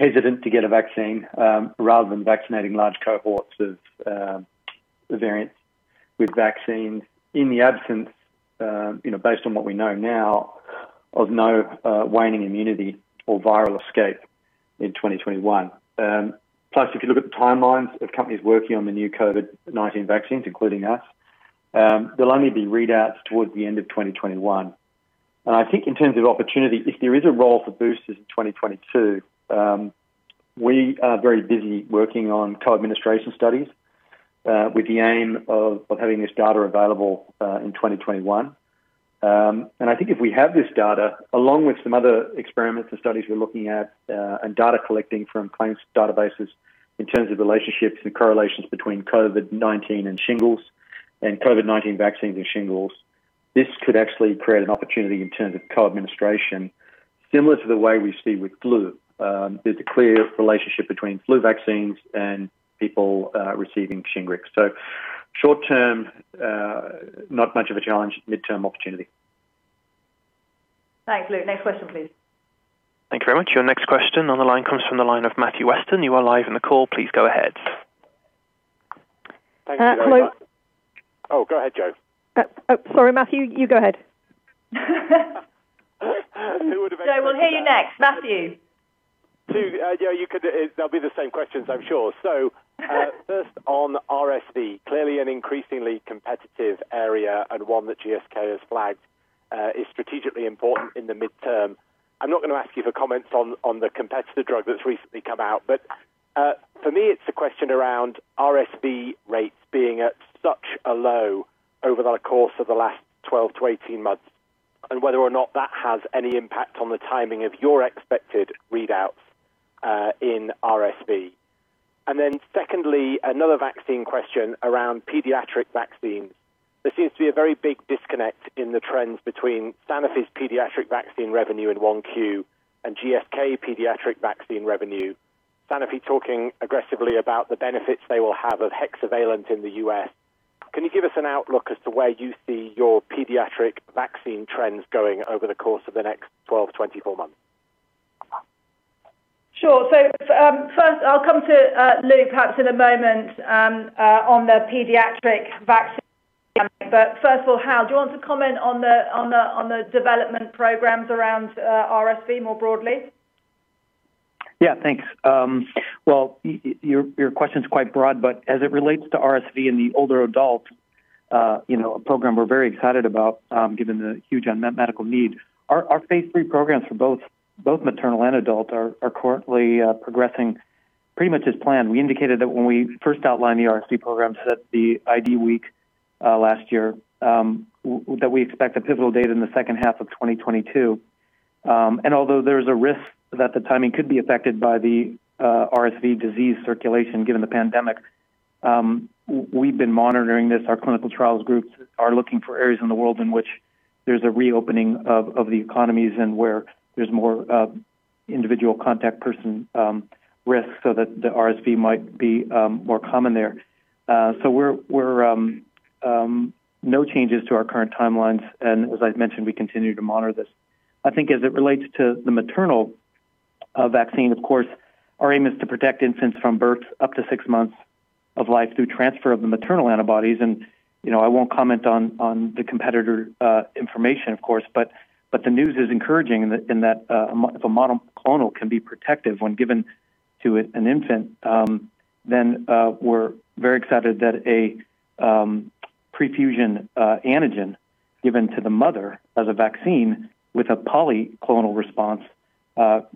S3: hesitant to get a vaccine, rather than vaccinating large cohorts of variants with vaccines in the absence, based on what we know now, of no waning immunity or viral escape in 2021. Plus, if you look at the timelines of companies working on the new COVID-19 vaccines, including us, there'll only be readouts towards the end of 2021. I think in terms of opportunity, if there is a role for boosters in 2022, we are very busy working on co-administration studies, with the aim of having this data available in 2021. I think if we have this data, along with some other experiments and studies we're looking at, and data collecting from claims databases in terms of relationships and correlations between COVID-19 and shingles, and COVID-19 vaccines and shingles, this could actually create an opportunity in terms of co-administration similar to the way we see with flu. There's a clear relationship between flu vaccines and people receiving Shingrix. Short term, not much of a challenge, midterm opportunity.
S2: Thanks, Luke. Next question, please.
S6: Thank you very much. Your next question on the line comes from the line of Matthew Weston. You are live on the call. Please go ahead.
S12: Thank you very much.
S13: Hello.
S12: Go ahead, Jo.
S13: Oh, sorry, Matthew, you go ahead.
S12: Who would've expected that?
S2: Jo, we'll hear you next. Matthew.
S12: Yeah, they will be the same questions, I am sure. First, on RSV. Clearly an increasingly competitive area, and one that GSK has flagged is strategically important in the midterm. I am not going to ask you for comments on the competitor drug that is recently come out. For me, it is a question around RSV rates being at such a low over the course of the last 12-18 months, and whether or not that has any impact on the timing of your expected readouts in RSV. Secondly, another vaccine question around pediatric vaccines. There seems to be a very big disconnect in the trends between Sanofi's pediatric vaccine revenue in 1Q and GSK pediatric vaccine revenue. Sanofi talking aggressively about the benefits they will have of hexavalent in the U.S. Can you give us an outlook as to where you see your pediatric vaccine trends going over the course of the next 12, 24 months?
S2: Sure. First, I'll come to Luke perhaps in a moment on the pediatric vaccine. First of all, Hal, do you want to comment on the development programs around RSV more broadly?
S9: Yeah, thanks. Well, your question's quite broad, but as it relates to RSV in the older adult, a program we're very excited about given the huge unmet medical need. Our Phase III programs for both maternal and adult are currently progressing pretty much as planned. We indicated that when we first outlined the RSV program at the IDWeek last year, that we expect a pivotal data in the second half of 2022. Although there's a risk that the timing could be affected by the RSV disease circulation given the pandemic, we've been monitoring this. Our clinical trials groups are looking for areas in the world in which there's a reopening of the economies and where there's more individual contact person risk so that the RSV might be more common there. No changes to our current timelines, and as I've mentioned, we continue to monitor this. I think as it relates to the maternal vaccine, of course, our aim is to protect infants from birth up to six months of life through transfer of the maternal antibodies. I won't comment on the competitor information, of course, but the news is encouraging in that if a monoclonal can be protective when given to an infant, then we're very excited that a pre-fusion antigen given to the mother as a vaccine with a polyclonal response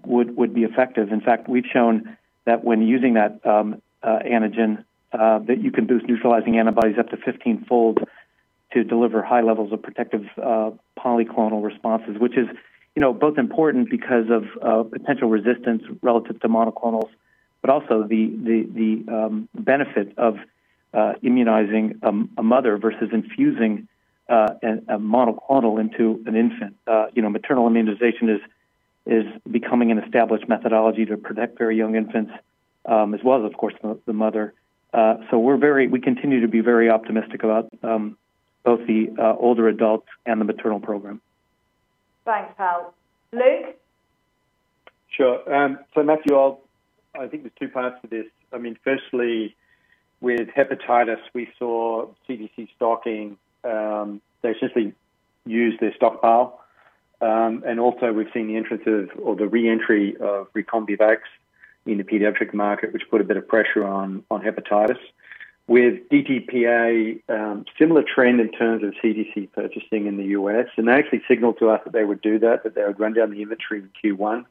S9: would be effective. In fact, we've shown that when using that antigen, that you can boost neutralizing antibodies up to 15-fold to deliver high levels of protective polyclonal responses, which is both important because of potential resistance relative to monoclonals, but also the benefit of immunizing a mother versus infusing a monoclonal into an infant. Maternal immunization is becoming an established methodology to protect very young infants, as well as, of course, the mother. We continue to be very optimistic about both the older adults and the maternal program.
S2: Thanks, Hal. Luke?
S3: Sure. Matthew, I think there's two parts to this. Firstly, with hepatitis, we saw CDC stocking. They essentially used their stockpile. Also we've seen the entrance of, or the re-entry of RECOMBIVAX in the pediatric market, which put a bit of pressure on hepatitis. With DTaP, similar trend in terms of CDC purchasing in the U.S., they actually signaled to us that they would do that, they would run down the inventory in Q1,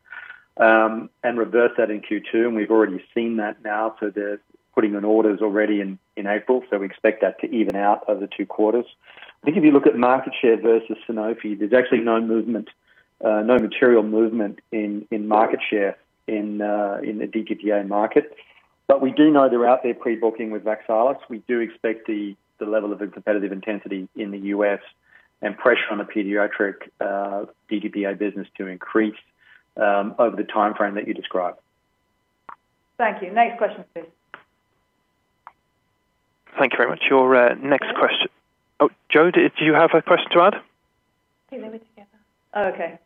S3: reverse that in Q2, we've already seen that now. They're putting in orders already in April, so we expect that to even out over the two quarters. I think if you look at market share versus Sanofi, there's actually no material movement in market share in the DTaP market. We do know they're out there pre-booking with VAXELIS. We do expect the level of competitive intensity in the U.S. and pressure on the pediatric DTaP business to increase over the timeframe that you described.
S2: Thank you. Next question, please.
S6: Thank you very much. Your next question. Oh, Jo, do you have a question to add?
S2: Oh, okay.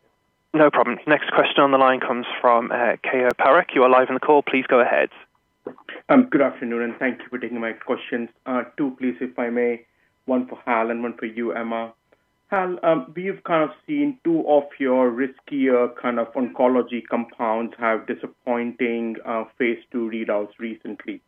S6: No problem. Next question on the line comes from Keyur Parekh. You are live on the call. Please go ahead.
S14: Good afternoon. Thank you for taking my questions. Two please, if I may. One for Hal and one for you, Emma. Hal, we've kind of seen two of your riskier kind of oncology compounds have disappointing phase II readouts recently.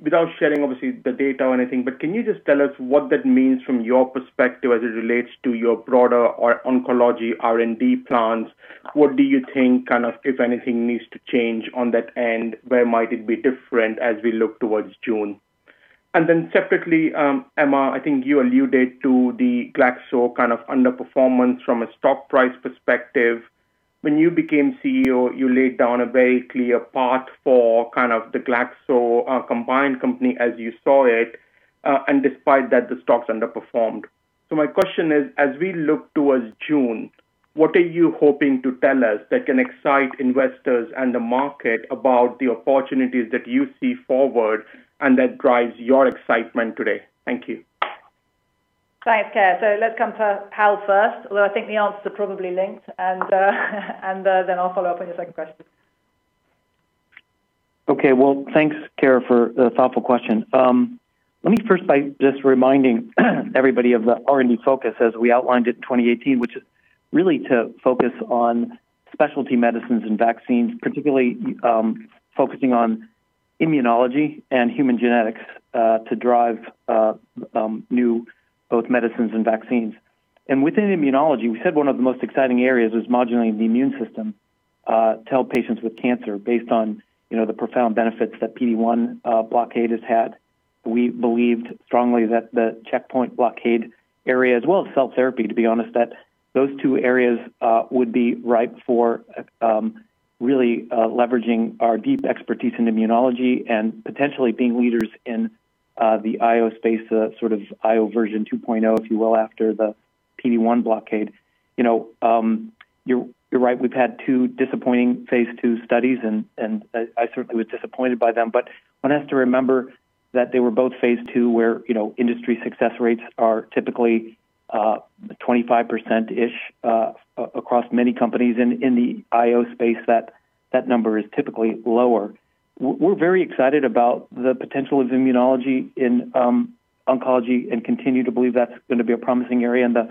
S14: Without sharing obviously the data or anything, can you just tell us what that means from your perspective as it relates to your broader oncology R&D plans? What do you think, if anything needs to change on that end, where might it be different as we look towards June? Separately, Emma, I think you alluded to the Glaxo kind of underperformance from a stock price perspective. When you became CEO, you laid down a very clear path for the Glaxo combined company as you saw it, and despite that, the stock's underperformed. My question is: As we look towards June, what are you hoping to tell us that can excite investors and the market about the opportunities that you see forward and that drives your excitement today? Thank you.
S2: Thanks, Keyur. Let's come to Hal first, although I think the answers are probably linked, and then I'll follow up on your second question.
S9: Okay. Well, thanks Keyur, for the thoughtful question. Let me first by just reminding everybody of the R&D focus as we outlined it in 2018, which is really to focus on specialty medicines and vaccines, particularly focusing on immunology and human genetics, to drive new both medicines and vaccines. Within immunology, we said one of the most exciting areas is modulating the immune system to help patients with cancer based on the profound benefits that PD-1 blockade has had. We believed strongly that the checkpoint blockade area, as well as cell therapy, to be honest, that those two areas would be ripe for really leveraging our deep expertise in immunology and potentially being leaders in the IO space, sort of IO version 2.0, if you will, after the PD-1 blockade. You're right, we've had two disappointing phase II studies. I certainly was disappointed by them. One has to remember that they were both phase II, where industry success rates are typically 25% across many companies. In the IO space, that number is typically lower. We're very excited about the potential of immunology in oncology and continue to believe that's going to be a promising area, and the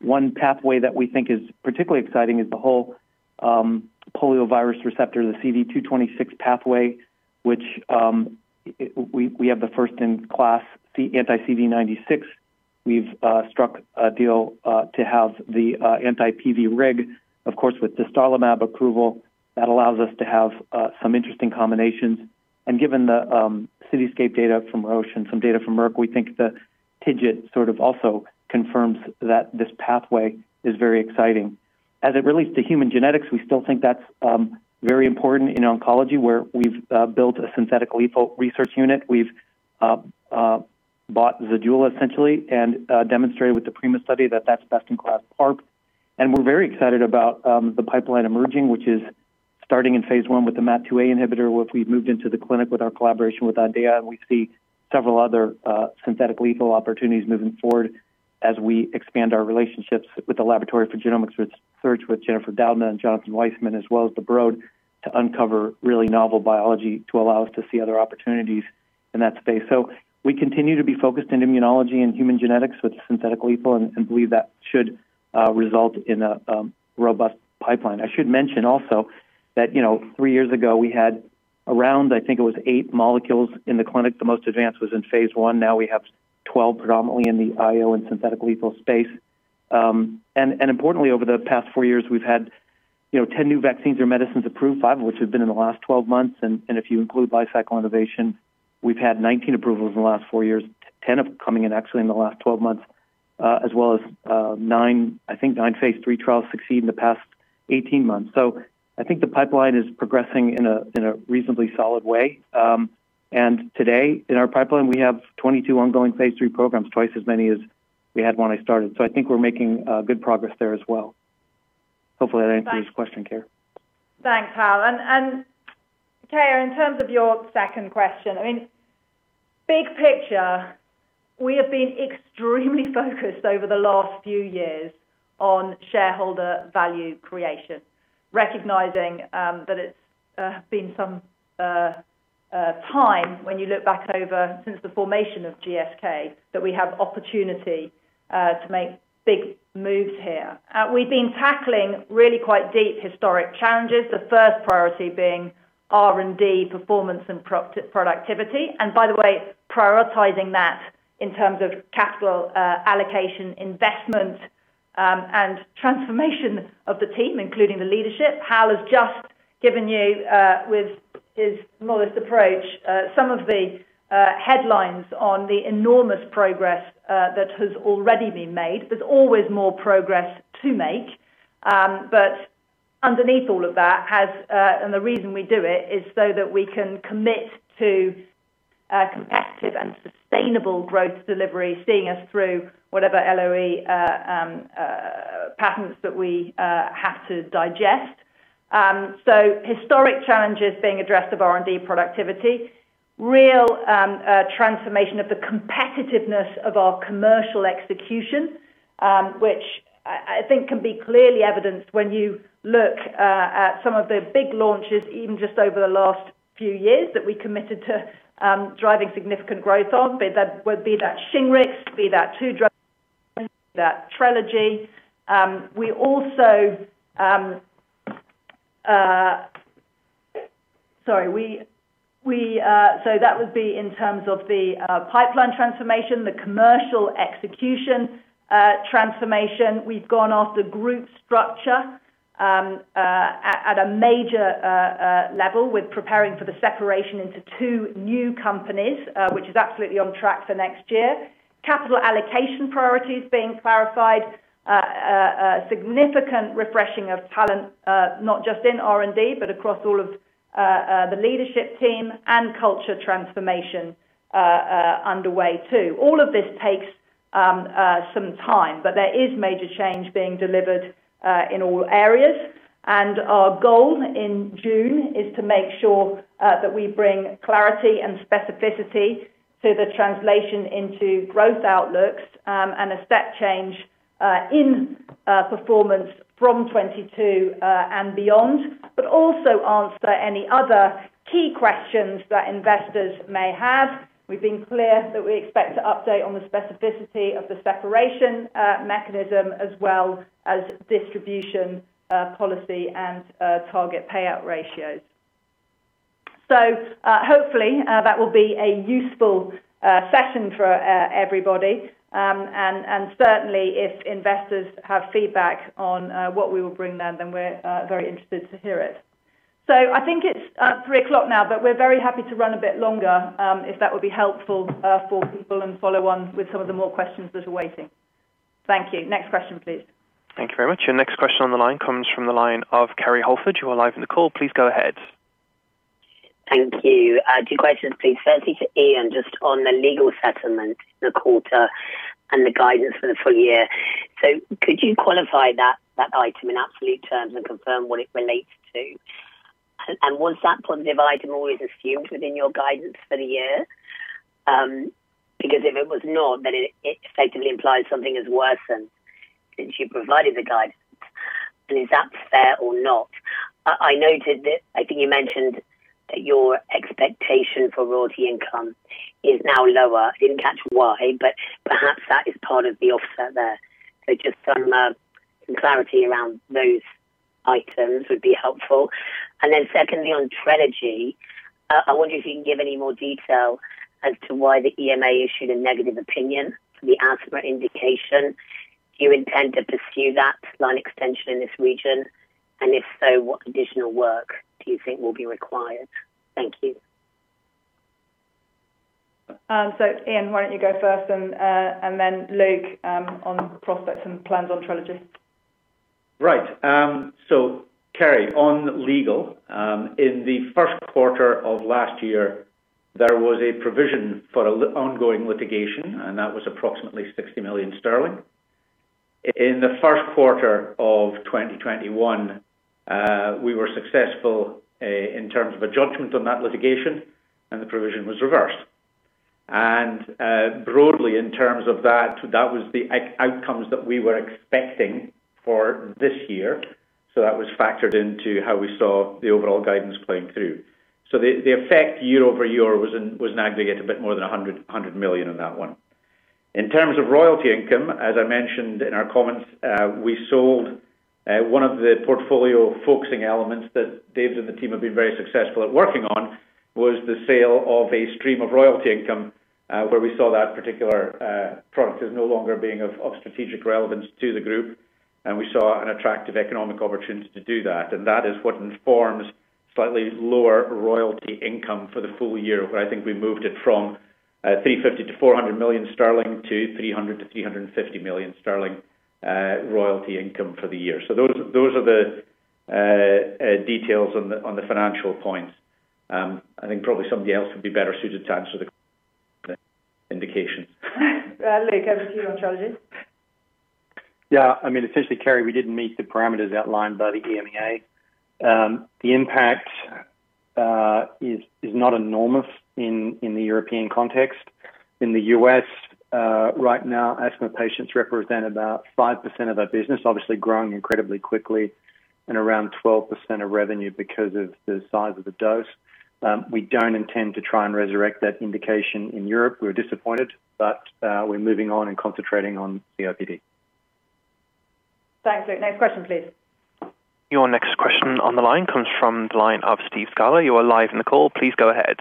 S9: one pathway that we think is particularly exciting is the whole poliovirus receptor, the CD226 pathway, which we have the first in class, the anti-CD96. We've struck a deal to have the anti-PVRIG, of course, with dostarlimab approval. That allows us to have some interesting combinations, and given the CITYSCAPE data from Ocean, some data from Merck, we think the TIGIT sort of also confirms that this pathway is very exciting. As it relates to human genetics, we still think that's very important in oncology, where we've built a synthetic lethal research unit. We've bought Zejula, essentially, and demonstrated with the PRIMA study that that's best in class PARP. We're very excited about the pipeline emerging, which is starting in phase I with the MAT2A inhibitor, where we've moved into the clinic with our collaboration with Adocia, and we see several other synthetic lethal opportunities moving forward as we expand our relationships with the Laboratory for Genomics Research with Jennifer Doudna and Jonathan Weissman, as well as the Broad, to uncover really novel biology to allow us to see other opportunities in that space. We continue to be focused in immunology and human genetics with synthetic lethal, and believe that should result in a robust pipeline. I should mention also that three years ago, we had around, I think it was eight molecules in the clinic. The most advanced was in phase I. Now we have 12 predominantly in the IO and synthetic lethal space. Importantly, over the past four years, we've had 10 new vaccines or medicines approved, five of which have been in the last 12 months. If you include lifecycle innovation, we've had 19 approvals in the last four years, 10 of coming in actually in the last 12 months, as well as nine phase III trials succeed in the past 18 months. I think the pipeline is progressing in a reasonably solid way. Today in our pipeline, we have 22 ongoing phase III programs, twice as many as we had when I started. I think we're making good progress there as well. Hopefully that answers your question, Keyur.
S2: Thanks, Hal. And Keyur, in terms of your second question, big picture, we have been extremely focused over the last few years on shareholder value creation, recognizing that it's been some time when you look back over since the formation of GSK, that we have opportunity to make big moves here. We've been tackling really quite deep historic challenges, the first priority being R&D performance and productivity. By the way, prioritizing that in terms of capital allocation, investment, and transformation of the team, including the leadership. Hal has just given you, with his smallest approach some of the headlines on the enormous progress that has already been made. There's always more progress to make. Underneath all of that has, and the reason we do it is so that we can commit to competitive and sustainable growth delivery, seeing us through whatever LOE patterns that we have to digest. Historic challenges being addressed of R&D productivity, real transformation of the competitiveness of our commercial execution, which I think can be clearly evidenced when you look at some of the big launches, even just over the last few years that we committed to driving significant growth on, be that Shingrix, be that Dovato, that Trelegy. That would be in terms of the pipeline transformation, the commercial execution transformation. We've gone after group structure at a major level with preparing for the separation into two new companies, which is absolutely on track for next year. Capital allocation priorities being clarified, significant refreshing of talent, not just in R&D, but across all of the leadership team and culture transformation underway, too. All of this takes some time, but there is major change being delivered in all areas. Our goal in June is to make sure that we bring clarity and specificity to the translation into growth outlooks, and a step change in performance from 2022, and beyond. Also answer any other key questions that investors may have. We've been clear that we expect to update on the specificity of the separation mechanism as well as distribution policy and target payout ratios. Hopefully, that will be a useful session for everybody. Certainly if investors have feedback on what we will bring then, we're very interested to hear it. I think it's 3:00 now, but we're very happy to run a bit longer, if that would be helpful for people and follow on with some of the more questions that are waiting. Thank you. Next question, please.
S6: Thank you very much. Your next question on the line comes from the line of Kerry Holford. You are live on the call. Please go ahead.
S15: Thank you. Two questions, please. Firstly, to Iain, just on the legal settlement in the quarter and the guidance for the full year. Could you qualify that item in absolute terms and confirm what it relates to? Was that positive item always assumed within your guidance for the year? If it was not, then it effectively implies something has worsened since you provided the guidance. Is that fair or not? I noted that I think you mentioned that your expectation for royalty income is now lower. I didn't catch why, but perhaps that is part of the offset there. Just some clarity around those items would be helpful. Secondly, on Trelegy, I wonder if you can give any more detail as to why the EMA issued a negative opinion for the asthma indication. Do you intend to pursue that line extension in this region? If so, what additional work do you think will be required? Thank you.
S2: Iain, why don't you go first and then Luke on prospects and plans on TRELEGY.
S1: Right. Kerry, on legal, in the first quarter of last year, there was a provision for ongoing litigation, and that was approximately 60 million sterling. In the first quarter of 2021, we were successful in terms of a judgment on that litigation and the provision was reversed. Broadly in terms of that was the outcomes that we were expecting for this year. That was factored into how we saw the overall guidance playing through. The effect year-over-year was in aggregate a bit more than 100 million on that one. In terms of royalty income, as I mentioned in our comments, one of the portfolio focusing elements that David and the team have been very successful at working on was the sale of a stream of royalty income, where we saw that particular product as no longer being of strategic relevance to the group, we saw an attractive economic opportunity to do that. That is what informs slightly lower royalty income for the full year, where I think we moved it from 350 million-400 million sterling to 300 million-350 million sterling royalty income for the year. Those are the details on the financial points. I think probably somebody else would be better suited to answer the indications.
S2: Luke, over to you on challenges.
S3: Yeah. Essentially, Kerry, we didn't meet the parameters outlined by the EMA. The impact is not enormous in the European context. In the U.S. right now, asthma patients represent about 5% of our business, obviously growing incredibly quickly, and around 12% of revenue because of the size of the dose. We don't intend to try and resurrect that indication in Europe. We're disappointed, but we're moving on and concentrating on COPD.
S2: Thanks, Luke. Next question, please.
S6: Your next question on the line comes from the line of Steve Scala. You are live on the call. Please go ahead.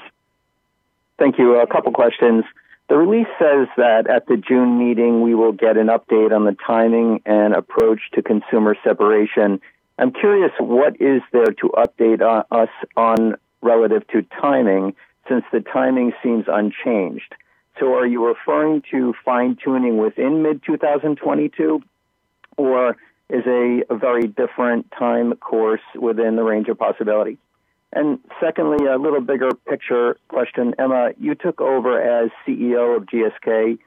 S16: Thank you. A couple questions. The release says that at the June meeting, we will get an update on the timing and approach to consumer separation. I'm curious, what is there to update us on relative to timing, since the timing seems unchanged. Are you referring to fine-tuning within mid 2022, or is a very different time course within the range of possibility? Secondly, a little bigger picture question. Emma, you took over as CEO of GSK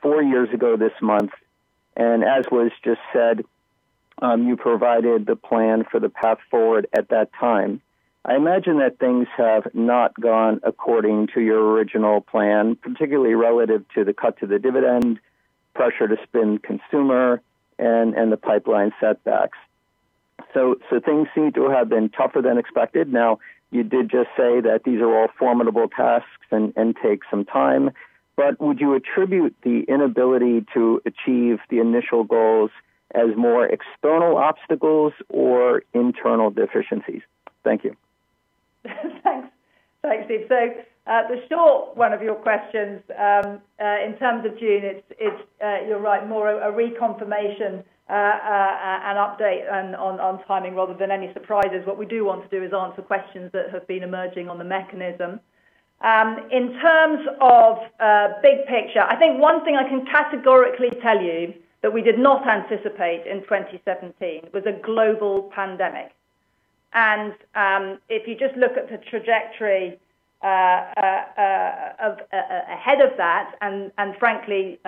S16: four years ago this month, and as was just said, you provided the plan for the path forward at that time. I imagine that things have not gone according to your original plan, particularly relative to the cut to the dividend, pressure to spin consumer, and the pipeline setbacks. Things seem to have been tougher than expected. You did just say that these are all formidable tasks and take some time, but would you attribute the inability to achieve the initial goals as more external obstacles or internal deficiencies? Thank you.
S2: Thanks. Thanks, Steve. The short one of your questions, in terms of June, you're right, more a reconfirmation, an update on timing rather than any surprises. What we do want to do is answer questions that have been emerging on the mechanism. In terms of big picture, I think one thing I can categorically tell you that we did not anticipate in 2017 was a global pandemic. If you just look at the trajectory ahead of that and frankly,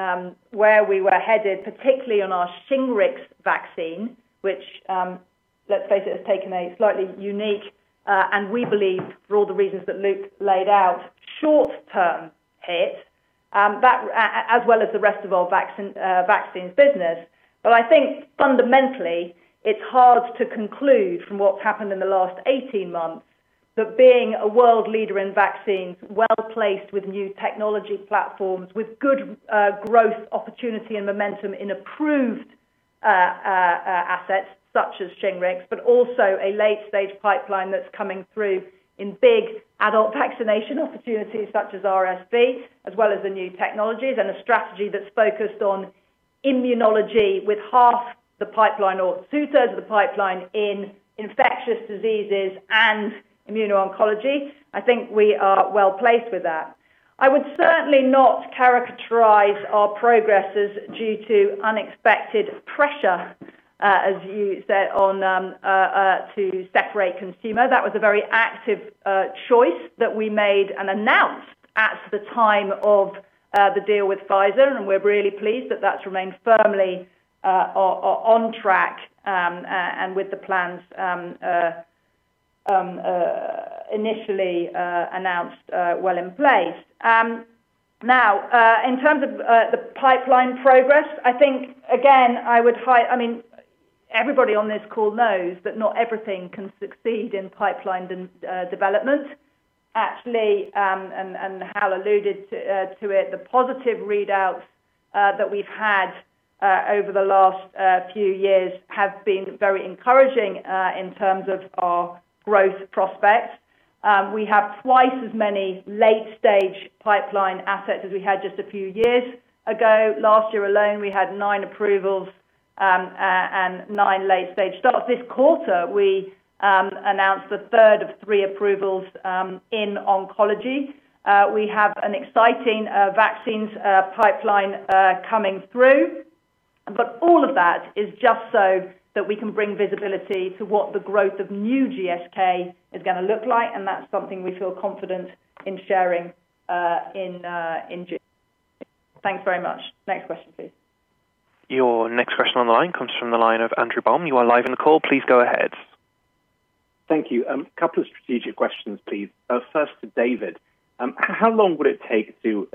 S2: where we were headed, particularly on our Shingrix vaccine, which, let's face it, has taken a slightly unique, and we believe for all the reasons that Luke laid out, short-term hit, as well as the rest of our vaccines business. I think fundamentally, it's hard to conclude from what's happened in the last 18 months, that being a world leader in vaccines, well-placed with new technology platforms, with good growth opportunity and momentum in approved assets such as Shingrix. Also a late-stage pipeline that's coming through in big adult vaccination opportunities such as RSV, as well as the new technologies and a strategy that's focused on immunology with half the pipeline or two-thirds of the pipeline in infectious diseases and immuno-oncology. I think we are well-placed with that. I would certainly not characterize our progress as due to unexpected pressure, as you said, to separate consumer. That was a very active choice that we made and announced at the time of the deal with Pfizer, and we're really pleased that that's remained firmly on track, and with the plans initially announced well in place. In terms of the pipeline progress, I think, again, everybody on this call knows that not everything can succeed in pipeline development. Actually, Hal alluded to it, the positive readouts that we've had over the last few years have been very encouraging, in terms of our growth prospects. We have twice as many late-stage pipeline assets as we had just a few years ago. Last year alone, we had nine approvals, and nine late-stage starts. This quarter, we announced the third of three approvals in oncology. We have an exciting vaccines pipeline coming through. All of that is just so that we can bring visibility to what the growth of new GSK is going to look like, and that's something we feel confident in sharing in June. Thanks very much. Next question, please.
S6: Your next question on the line comes from the line of Andrew Baum. You are live on the call. Please go ahead.
S17: Thank you. Couple of strategic questions, please. First to David. How long would it take to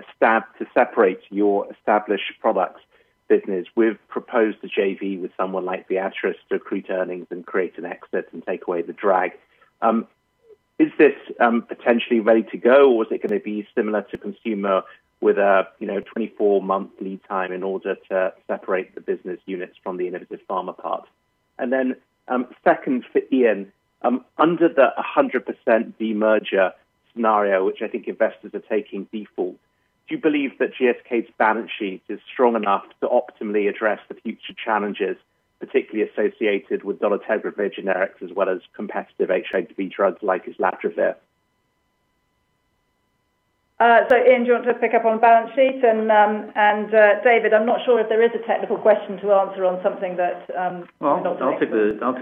S17: separate your established products business? We've proposed a JV with someone like Viatris to accrete earnings and create an exit and take away the drag. Is this potentially ready to go or is it going to be similar to Consumer with a 24-month lead time in order to separate the business units from the innovative pharma part? Then second for Iain, under the 100% de-merger scenario, which I think investors are taking default, do you believe that GSK's balance sheet is strong enough to optimally address the future challenges, particularly associated with dolutegravir generics as well as competitive HIV drugs like islatravir?
S2: Iain, do you want to pick up on balance sheet? David, I'm not sure if there is a technical question to answer on something.
S1: Well, I'll take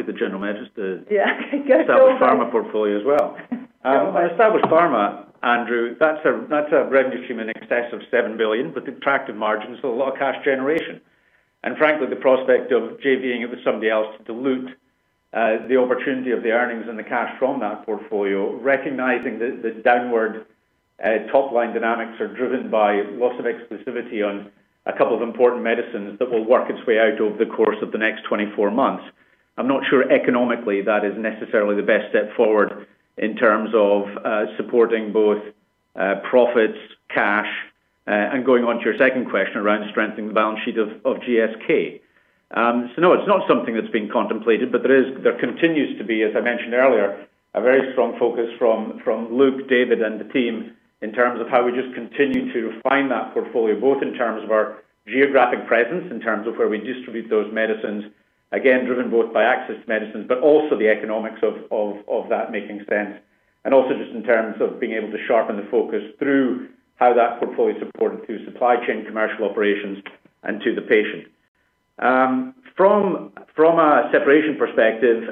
S1: the general measures.
S2: Yeah. Go for it.
S1: Established pharma portfolio as well. Established pharma, Andrew, that's a revenue stream in excess of 7 billion with attractive margins, a lot of cash generation. Frankly, the prospect of JV-ing it with somebody else to dilute the opportunity of the earnings and the cash from that portfolio, recognizing that the downward top-line dynamics are driven by loss of exclusivity on a couple of important medicines that will work its way out over the course of the next 24 months. I'm not sure economically that is necessarily the best step forward in terms of supporting both profits, cash, and going on to your second question around strengthening the balance sheet of GSK. No, it's not something that's being contemplated, but there continues to be, as I mentioned earlier, a very strong focus from Luke, David, and the team in terms of how we just continue to refine that portfolio, both in terms of our geographic presence, in terms of where we distribute those medicines, again, driven both by access to medicines, but also the economics of that making sense, and also just in terms of being able to sharpen the focus through how that portfolio is supported through supply chain commercial operations and to the patient. From a separation perspective,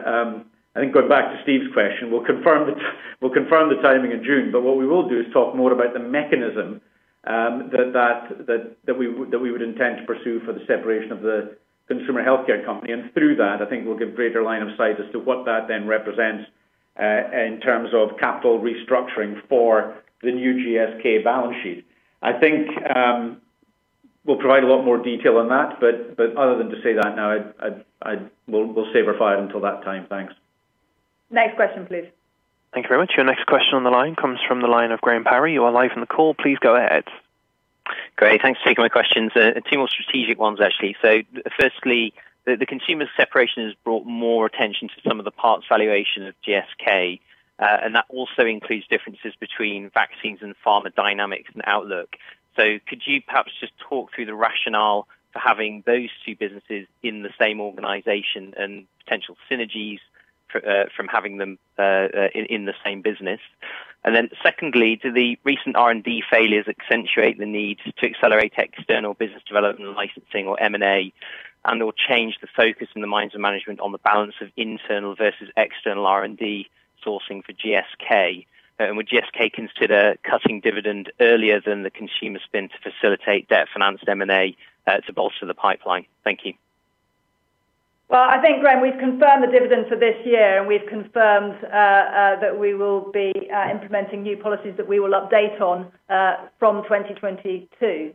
S1: I think going back to Steve's question, we'll confirm the timing in June, but what we will do is talk more about the mechanism that we would intend to pursue for the separation of the consumer healthcare company. Through that, I think we'll give greater line of sight as to what that then represents, in terms of capital restructuring for the new GSK balance sheet. I think we'll provide a lot more detail on that, but other than to say that now, we'll save our fire until that time. Thanks.
S2: Next question, please.
S6: Thank you very much. Your next question on the line comes from the line of Graham Parry. You are live on the call. Please go ahead.
S18: Great. Thanks for taking my questions. Two more strategic ones, actually. Firstly, the consumer separation has brought more attention to some of the parts valuation of GSK, and that also includes differences between vaccines and pharma dynamics and outlook. Could you perhaps just talk through the rationale for having those two businesses in the same organization and potential synergies from having them in the same business? Secondly, do the recent R&D failures accentuate the need to accelerate external business development and licensing or M&A and/or change the focus in the minds of management on the balance of internal versus external R&D sourcing for GSK? Would GSK consider cutting dividend earlier than the consumer spin to facilitate debt-financed M&A to bolster the pipeline? Thank you.
S2: Graham, we've confirmed the dividend for this year, and we've confirmed that we will be implementing new policies that we will update on from 2022.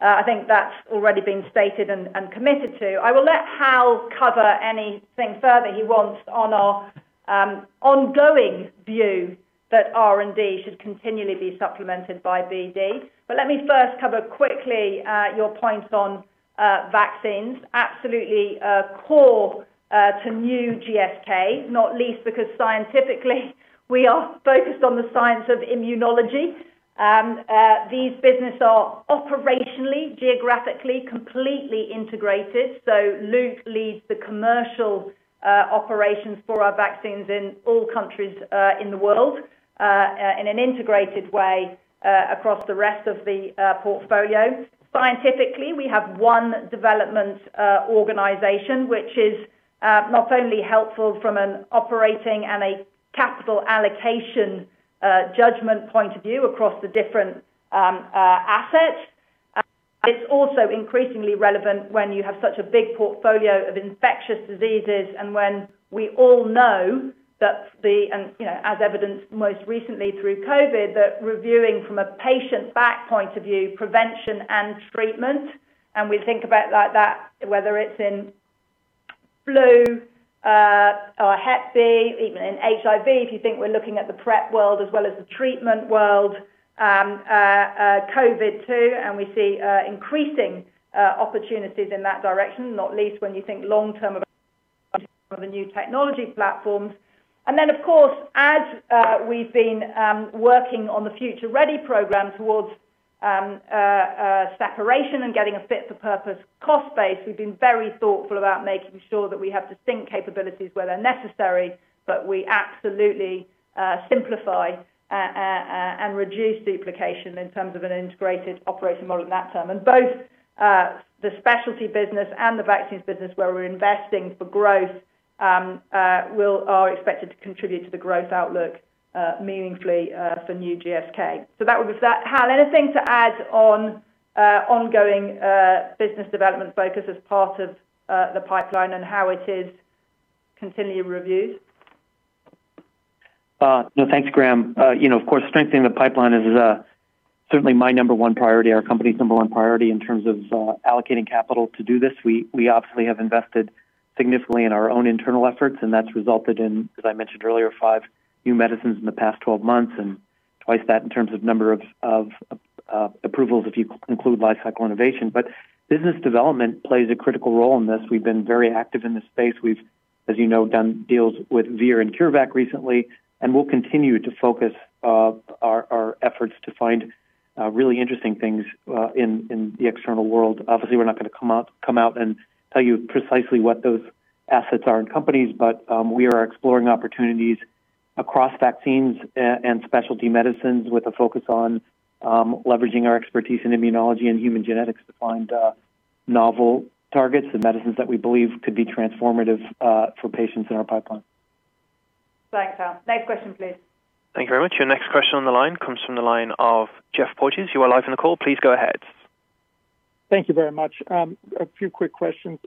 S2: I think that's already been stated and committed to. I will let Hal cover anything further he wants on our ongoing view that R&D should continually be supplemented by BD. Let me first cover quickly your point on vaccines. Absolutely core to new GSK, not least because scientifically we are focused on the science of immunology. These business are operationally, geographically completely integrated. Luke leads the commercial operations for our vaccines in all countries in the world, in an integrated way across the rest of the portfolio. Scientifically, we have one development organization, which is not only helpful from an operating and a capital allocation judgment point of view across the different assets. It's also increasingly relevant when you have such a big portfolio of infectious diseases and when we all know that, as evidenced most recently through COVID, that reviewing from a patient back point of view, prevention and treatment, and we think about like that, whether it's in flu, or Hep B, even in HIV, if you think we're looking at the PrEP world as well as the treatment world, COVID too, and we see increasing opportunities in that direction, not least when you think long term of the new technology platforms. Of course, as we've been working on the Future Ready program towards separation and getting a fit for purpose cost base, we've been very thoughtful about making sure that we have distinct capabilities where they're necessary, but we absolutely simplify and reduce duplication in terms of an integrated operating model in that term. Both the specialty business and the vaccines business where we're investing for growth are expected to contribute to the growth outlook meaningfully for new GSK. That was that. Hal, anything to add on ongoing business development focus as part of the pipeline and how it is continually reviewed?
S9: No. Thanks, Graham. Of course, strengthening the pipeline is a certainly my number one priority, our company's number one priority in terms of allocating capital to do this, we obviously have invested significantly in our own internal efforts, and that's resulted in, as I mentioned earlier, five new medicines in the past 12 months and twice that in terms of number of approvals, if you include lifecycle innovation. Business development plays a critical role in this. We've been very active in this space. We've, as you know, done deals with Vir and CureVac recently, and we'll continue to focus our efforts to find really interesting things in the external world. Obviously, we're not going to come out and tell you precisely what those assets are in companies, but we are exploring opportunities across vaccines and specialty medicines with a focus on leveraging our expertise in immunology and human genetics to find novel targets and medicines that we believe could be transformative for patients in our pipeline.
S2: Thanks, Hal. Next question, please.
S6: Thank you very much. Your next question on the line comes from the line of Geoffrey Porges. You are live on the call. Please go ahead.
S19: Thank you very much. A few quick questions.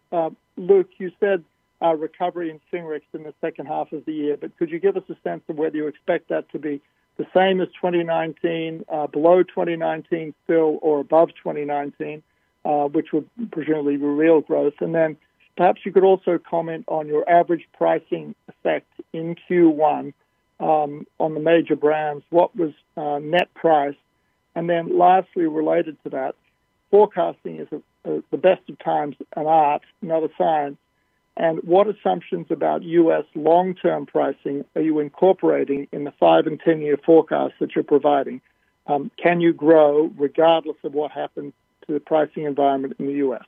S19: Luke, you said recovery in Shingrix in the second half of the year, but could you give us a sense of whether you expect that to be the same as 2019, below 2019 still, or above 2019, which would presumably be real growth? Perhaps you could also comment on your average pricing effect in Q1 on the major brands, what was net price? Lastly, related to that, forecasting is at the best of times an art, not a science. What assumptions about U.S. long-term pricing are you incorporating in the five and 10-year forecasts that you're providing? Can you grow regardless of what happened to the pricing environment in the U.S.?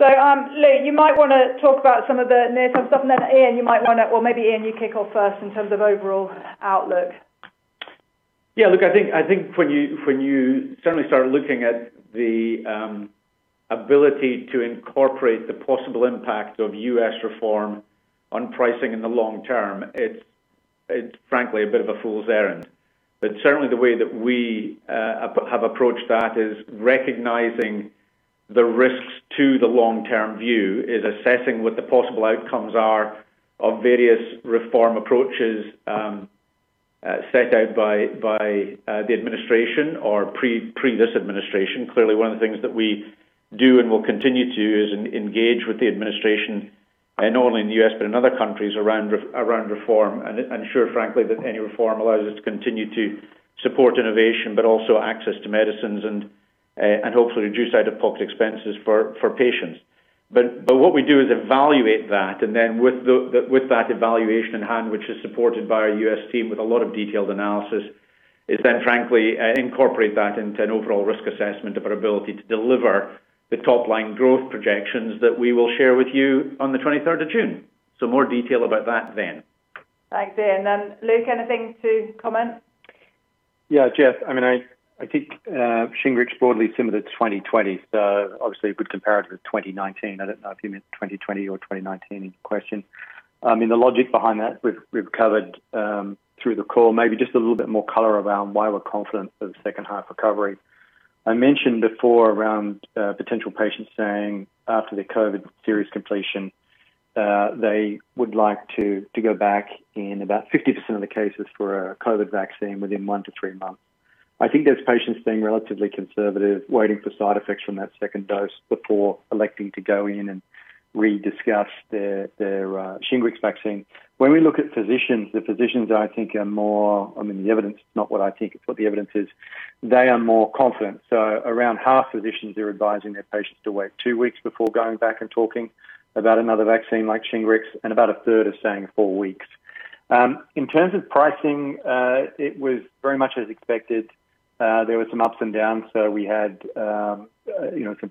S2: Luke, you might want to talk about some of the near-term stuff, and then Iain, you might want to, or maybe Iain, you kick off first in terms of overall outlook.
S1: Yeah, look, I think when you certainly start looking at the ability to incorporate the possible impact of U.S. reform on pricing in the long term, it's frankly a bit of a fool's errand. Certainly the way that we have approached that is recognizing the risks to the long-term view, is assessing what the possible outcomes are of various reform approaches set out by the administration or pre this administration. Clearly, one of the things that we do and will continue to do is engage with the administration, not only in the U.S. but in other countries, around reform and ensure, frankly, that any reform allows us to continue to support innovation, but also access to medicines and hopefully reduce out-of-pocket expenses for patients. What we do is evaluate that and then with that evaluation in hand, which is supported by our U.S. team with a lot of detailed analysis, is then frankly incorporate that into an overall risk assessment of our ability to deliver the top-line growth projections that we will share with you on the 23rd of June. More detail about that then.
S2: Thanks, Iain. Luke, anything to comment?
S3: Geff, I think Shingrix broadly similar to 2020. Obviously a good comparator to 2019. I do not know if you meant 2020 or 2019 in your question. The logic behind that we have covered through the call, maybe just a little bit more color around why we are confident of second half recovery. I mentioned before around potential patients saying after their COVID series completion, they would like to go back in about 50% of the cases for a COVID vaccine within one to three months. I think there are patients being relatively conservative, waiting for side effects from that second dose before electing to go in and re-discuss their Shingrix vaccine. When we look at physicians, the physicians I think are more, the evidence, not what I think, it is what the evidence is. They are more confident. Around half physicians are advising their patients to wait two weeks before going back and talking about another vaccine like Shingrix, and about a third are saying four weeks. In terms of pricing, it was very much as expected. There were some ups and downs. We had some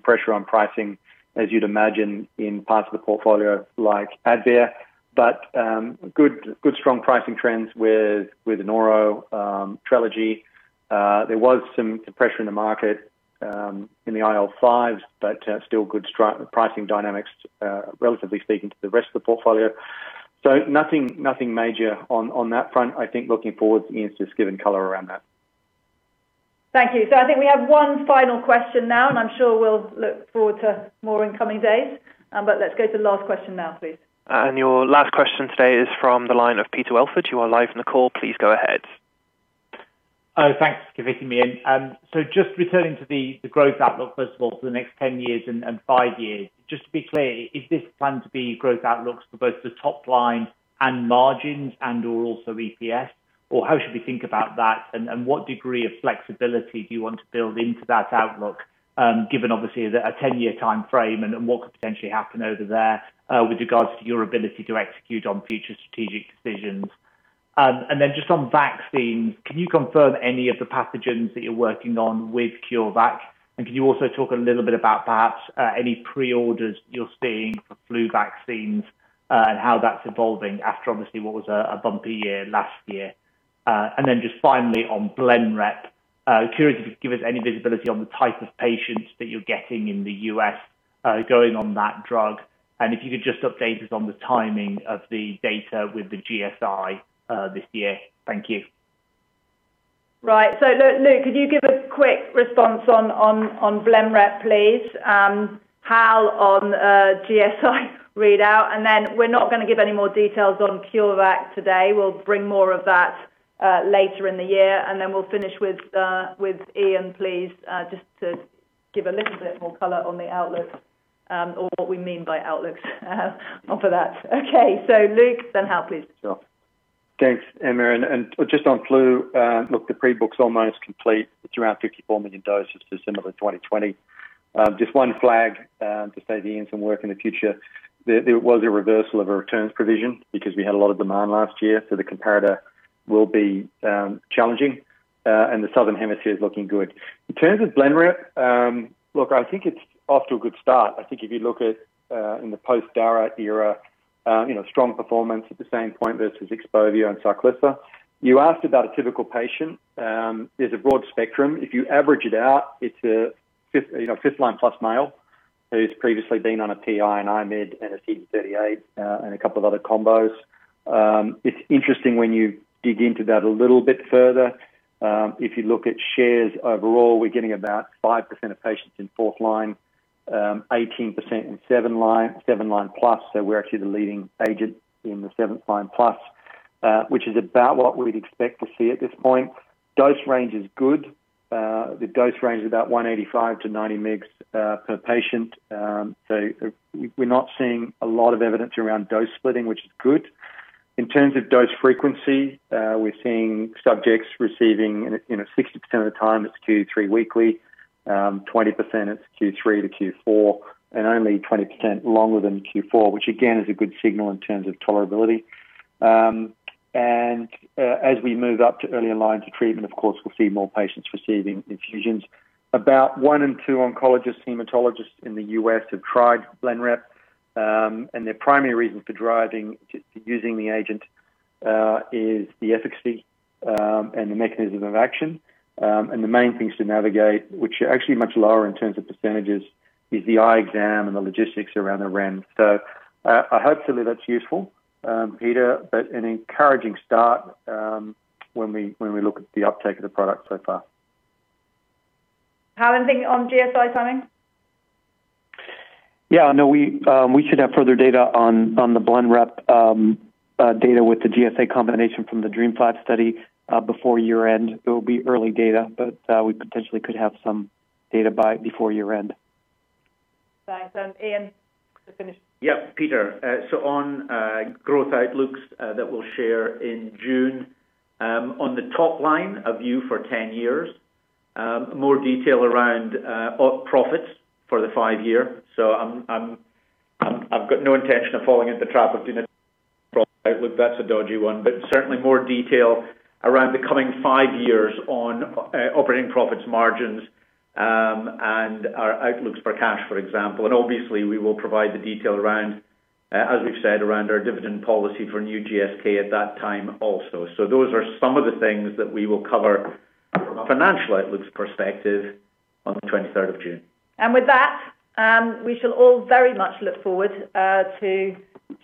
S3: pressure on pricing, as you'd imagine, in parts of the portfolio like Advair. Good strong pricing trends with TRELEGY. There was some pressure in the market in the IL-5s, but still good pricing dynamics, relatively speaking, to the rest of the portfolio. Nothing major on that front. I think looking forward, Iain's just given color around that.
S2: Thank you. I think we have one final question now, and I'm sure we'll look forward to more in coming days. Let's go to the last question now, please.
S6: Your last question today is from the line of Peter Welford. You are live on the call. Please, go ahead.
S20: Thanks for fitting me in. Just returning to the growth outlook, first of all, for the next 10 years and five years, just to be clear, is this planned to be growth outlooks for both the top line and margins and/or also EPS? How should we think about that? What degree of flexibility do you want to build into that outlook given obviously a 10-year timeframe and what could potentially happen over there with regards to your ability to execute on future strategic decisions? Just on vaccines, can you confirm any of the pathogens that you're working on with CureVac? Can you also talk a little bit about perhaps any pre-orders you're seeing for flu vaccines and how that's evolving after obviously what was a bumpy year last year? Just finally on Blenrep, curious if you could give us any visibility on the type of patients that you're getting in the U.S. going on that drug, if you could just update us on the timing of the data with the GSI this year. Thank you.
S2: Right. Luke, could you give a quick response on Blenrep, please? Hal on GSI readout. We're not going to give any more details on CureVac today. We'll bring more of that later in the year. We'll finish with Iain, please, just to give a little bit more color on the outlook. Or what we mean by outlooks for that. Okay, Luke, then Hal, please.
S3: Sure. Thanks, Emma. Just on flu, look, the pre-book's almost complete. It's around 54 million doses, so similar to 2020. Just one flag to save Iain some work in the future, there was a reversal of a returns provision because we had a lot of demand last year, so the comparator will be challenging, and the southern hemisphere is looking good. In terms of Blenrep, look, I think it's off to a good start. I think if you look at in the post-Darzalex era, strong performance at the same point versus Xpovio and Sarclisa. You asked about a typical patient. There's a broad spectrum. If you average it out, it's a fifth-line plus male who's previously been on a PI, an IMiD, and a CD38, and a couple of other combos. It's interesting when you dig into that a little bit further. If you look at shares overall, we're getting about 5% of patients in fourth line, 18% in seventh line, seventh line plus. We're actually the leading agent in the seventh line plus, which is about what we'd expect to see at this point. Dose range is good. The dose range is about 185 mg-90 mg per patient. We're not seeing a lot of evidence around dose splitting, which is good. In terms of dose frequency, we're seeing subjects receiving, 60% of the time it's Q3 weekly, 20% it's Q3 to Q4, and only 20% longer than Q4, which again, is a good signal in terms of tolerability. As we move up to earlier lines of treatment, of course, we'll see more patients receiving infusions. About one in two oncologists, hematologists in the U.S. have tried Blenrep, their primary reasons for using the agent is the efficacy and the mechanism of action. The main things to navigate, which are actually much lower in terms of percentages, is the eye exam and the logistics around the REMS. I hopefully that's useful, Peter, an encouraging start when we look at the uptake of the product so far.
S2: Hal, anything on GSI timing?
S9: Yeah, no, we should have further data on the Blenrep data with the GSI combination from the DREAMM-5 study before year-end. It will be early data, but we potentially could have some data before year-end.
S2: Thanks. Iain, to finish.
S1: Yeah, Peter. On growth outlooks that we'll share in June, on the top line, a view for 10 years. More detail around profits for the five-year. I've got no intention of falling into the trap of doing a profit outlook. That's a dodgy one. Certainly more detail around the coming five years on operating profits margins, and our outlooks for cash, for example. Obviously we will provide the detail around, as we've said, around our dividend policy for New GSK at that time also. Those are some of the things that we will cover from a financial outlooks perspective on the 23rd of June.
S2: With that, we shall all very much look forward to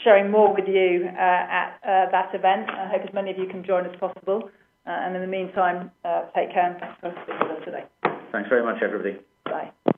S2: sharing more with you at that event. I hope as many of you can join as possible. In the meantime, take care, and thanks for those that did today.
S1: Thanks very much, everybody.
S2: Bye.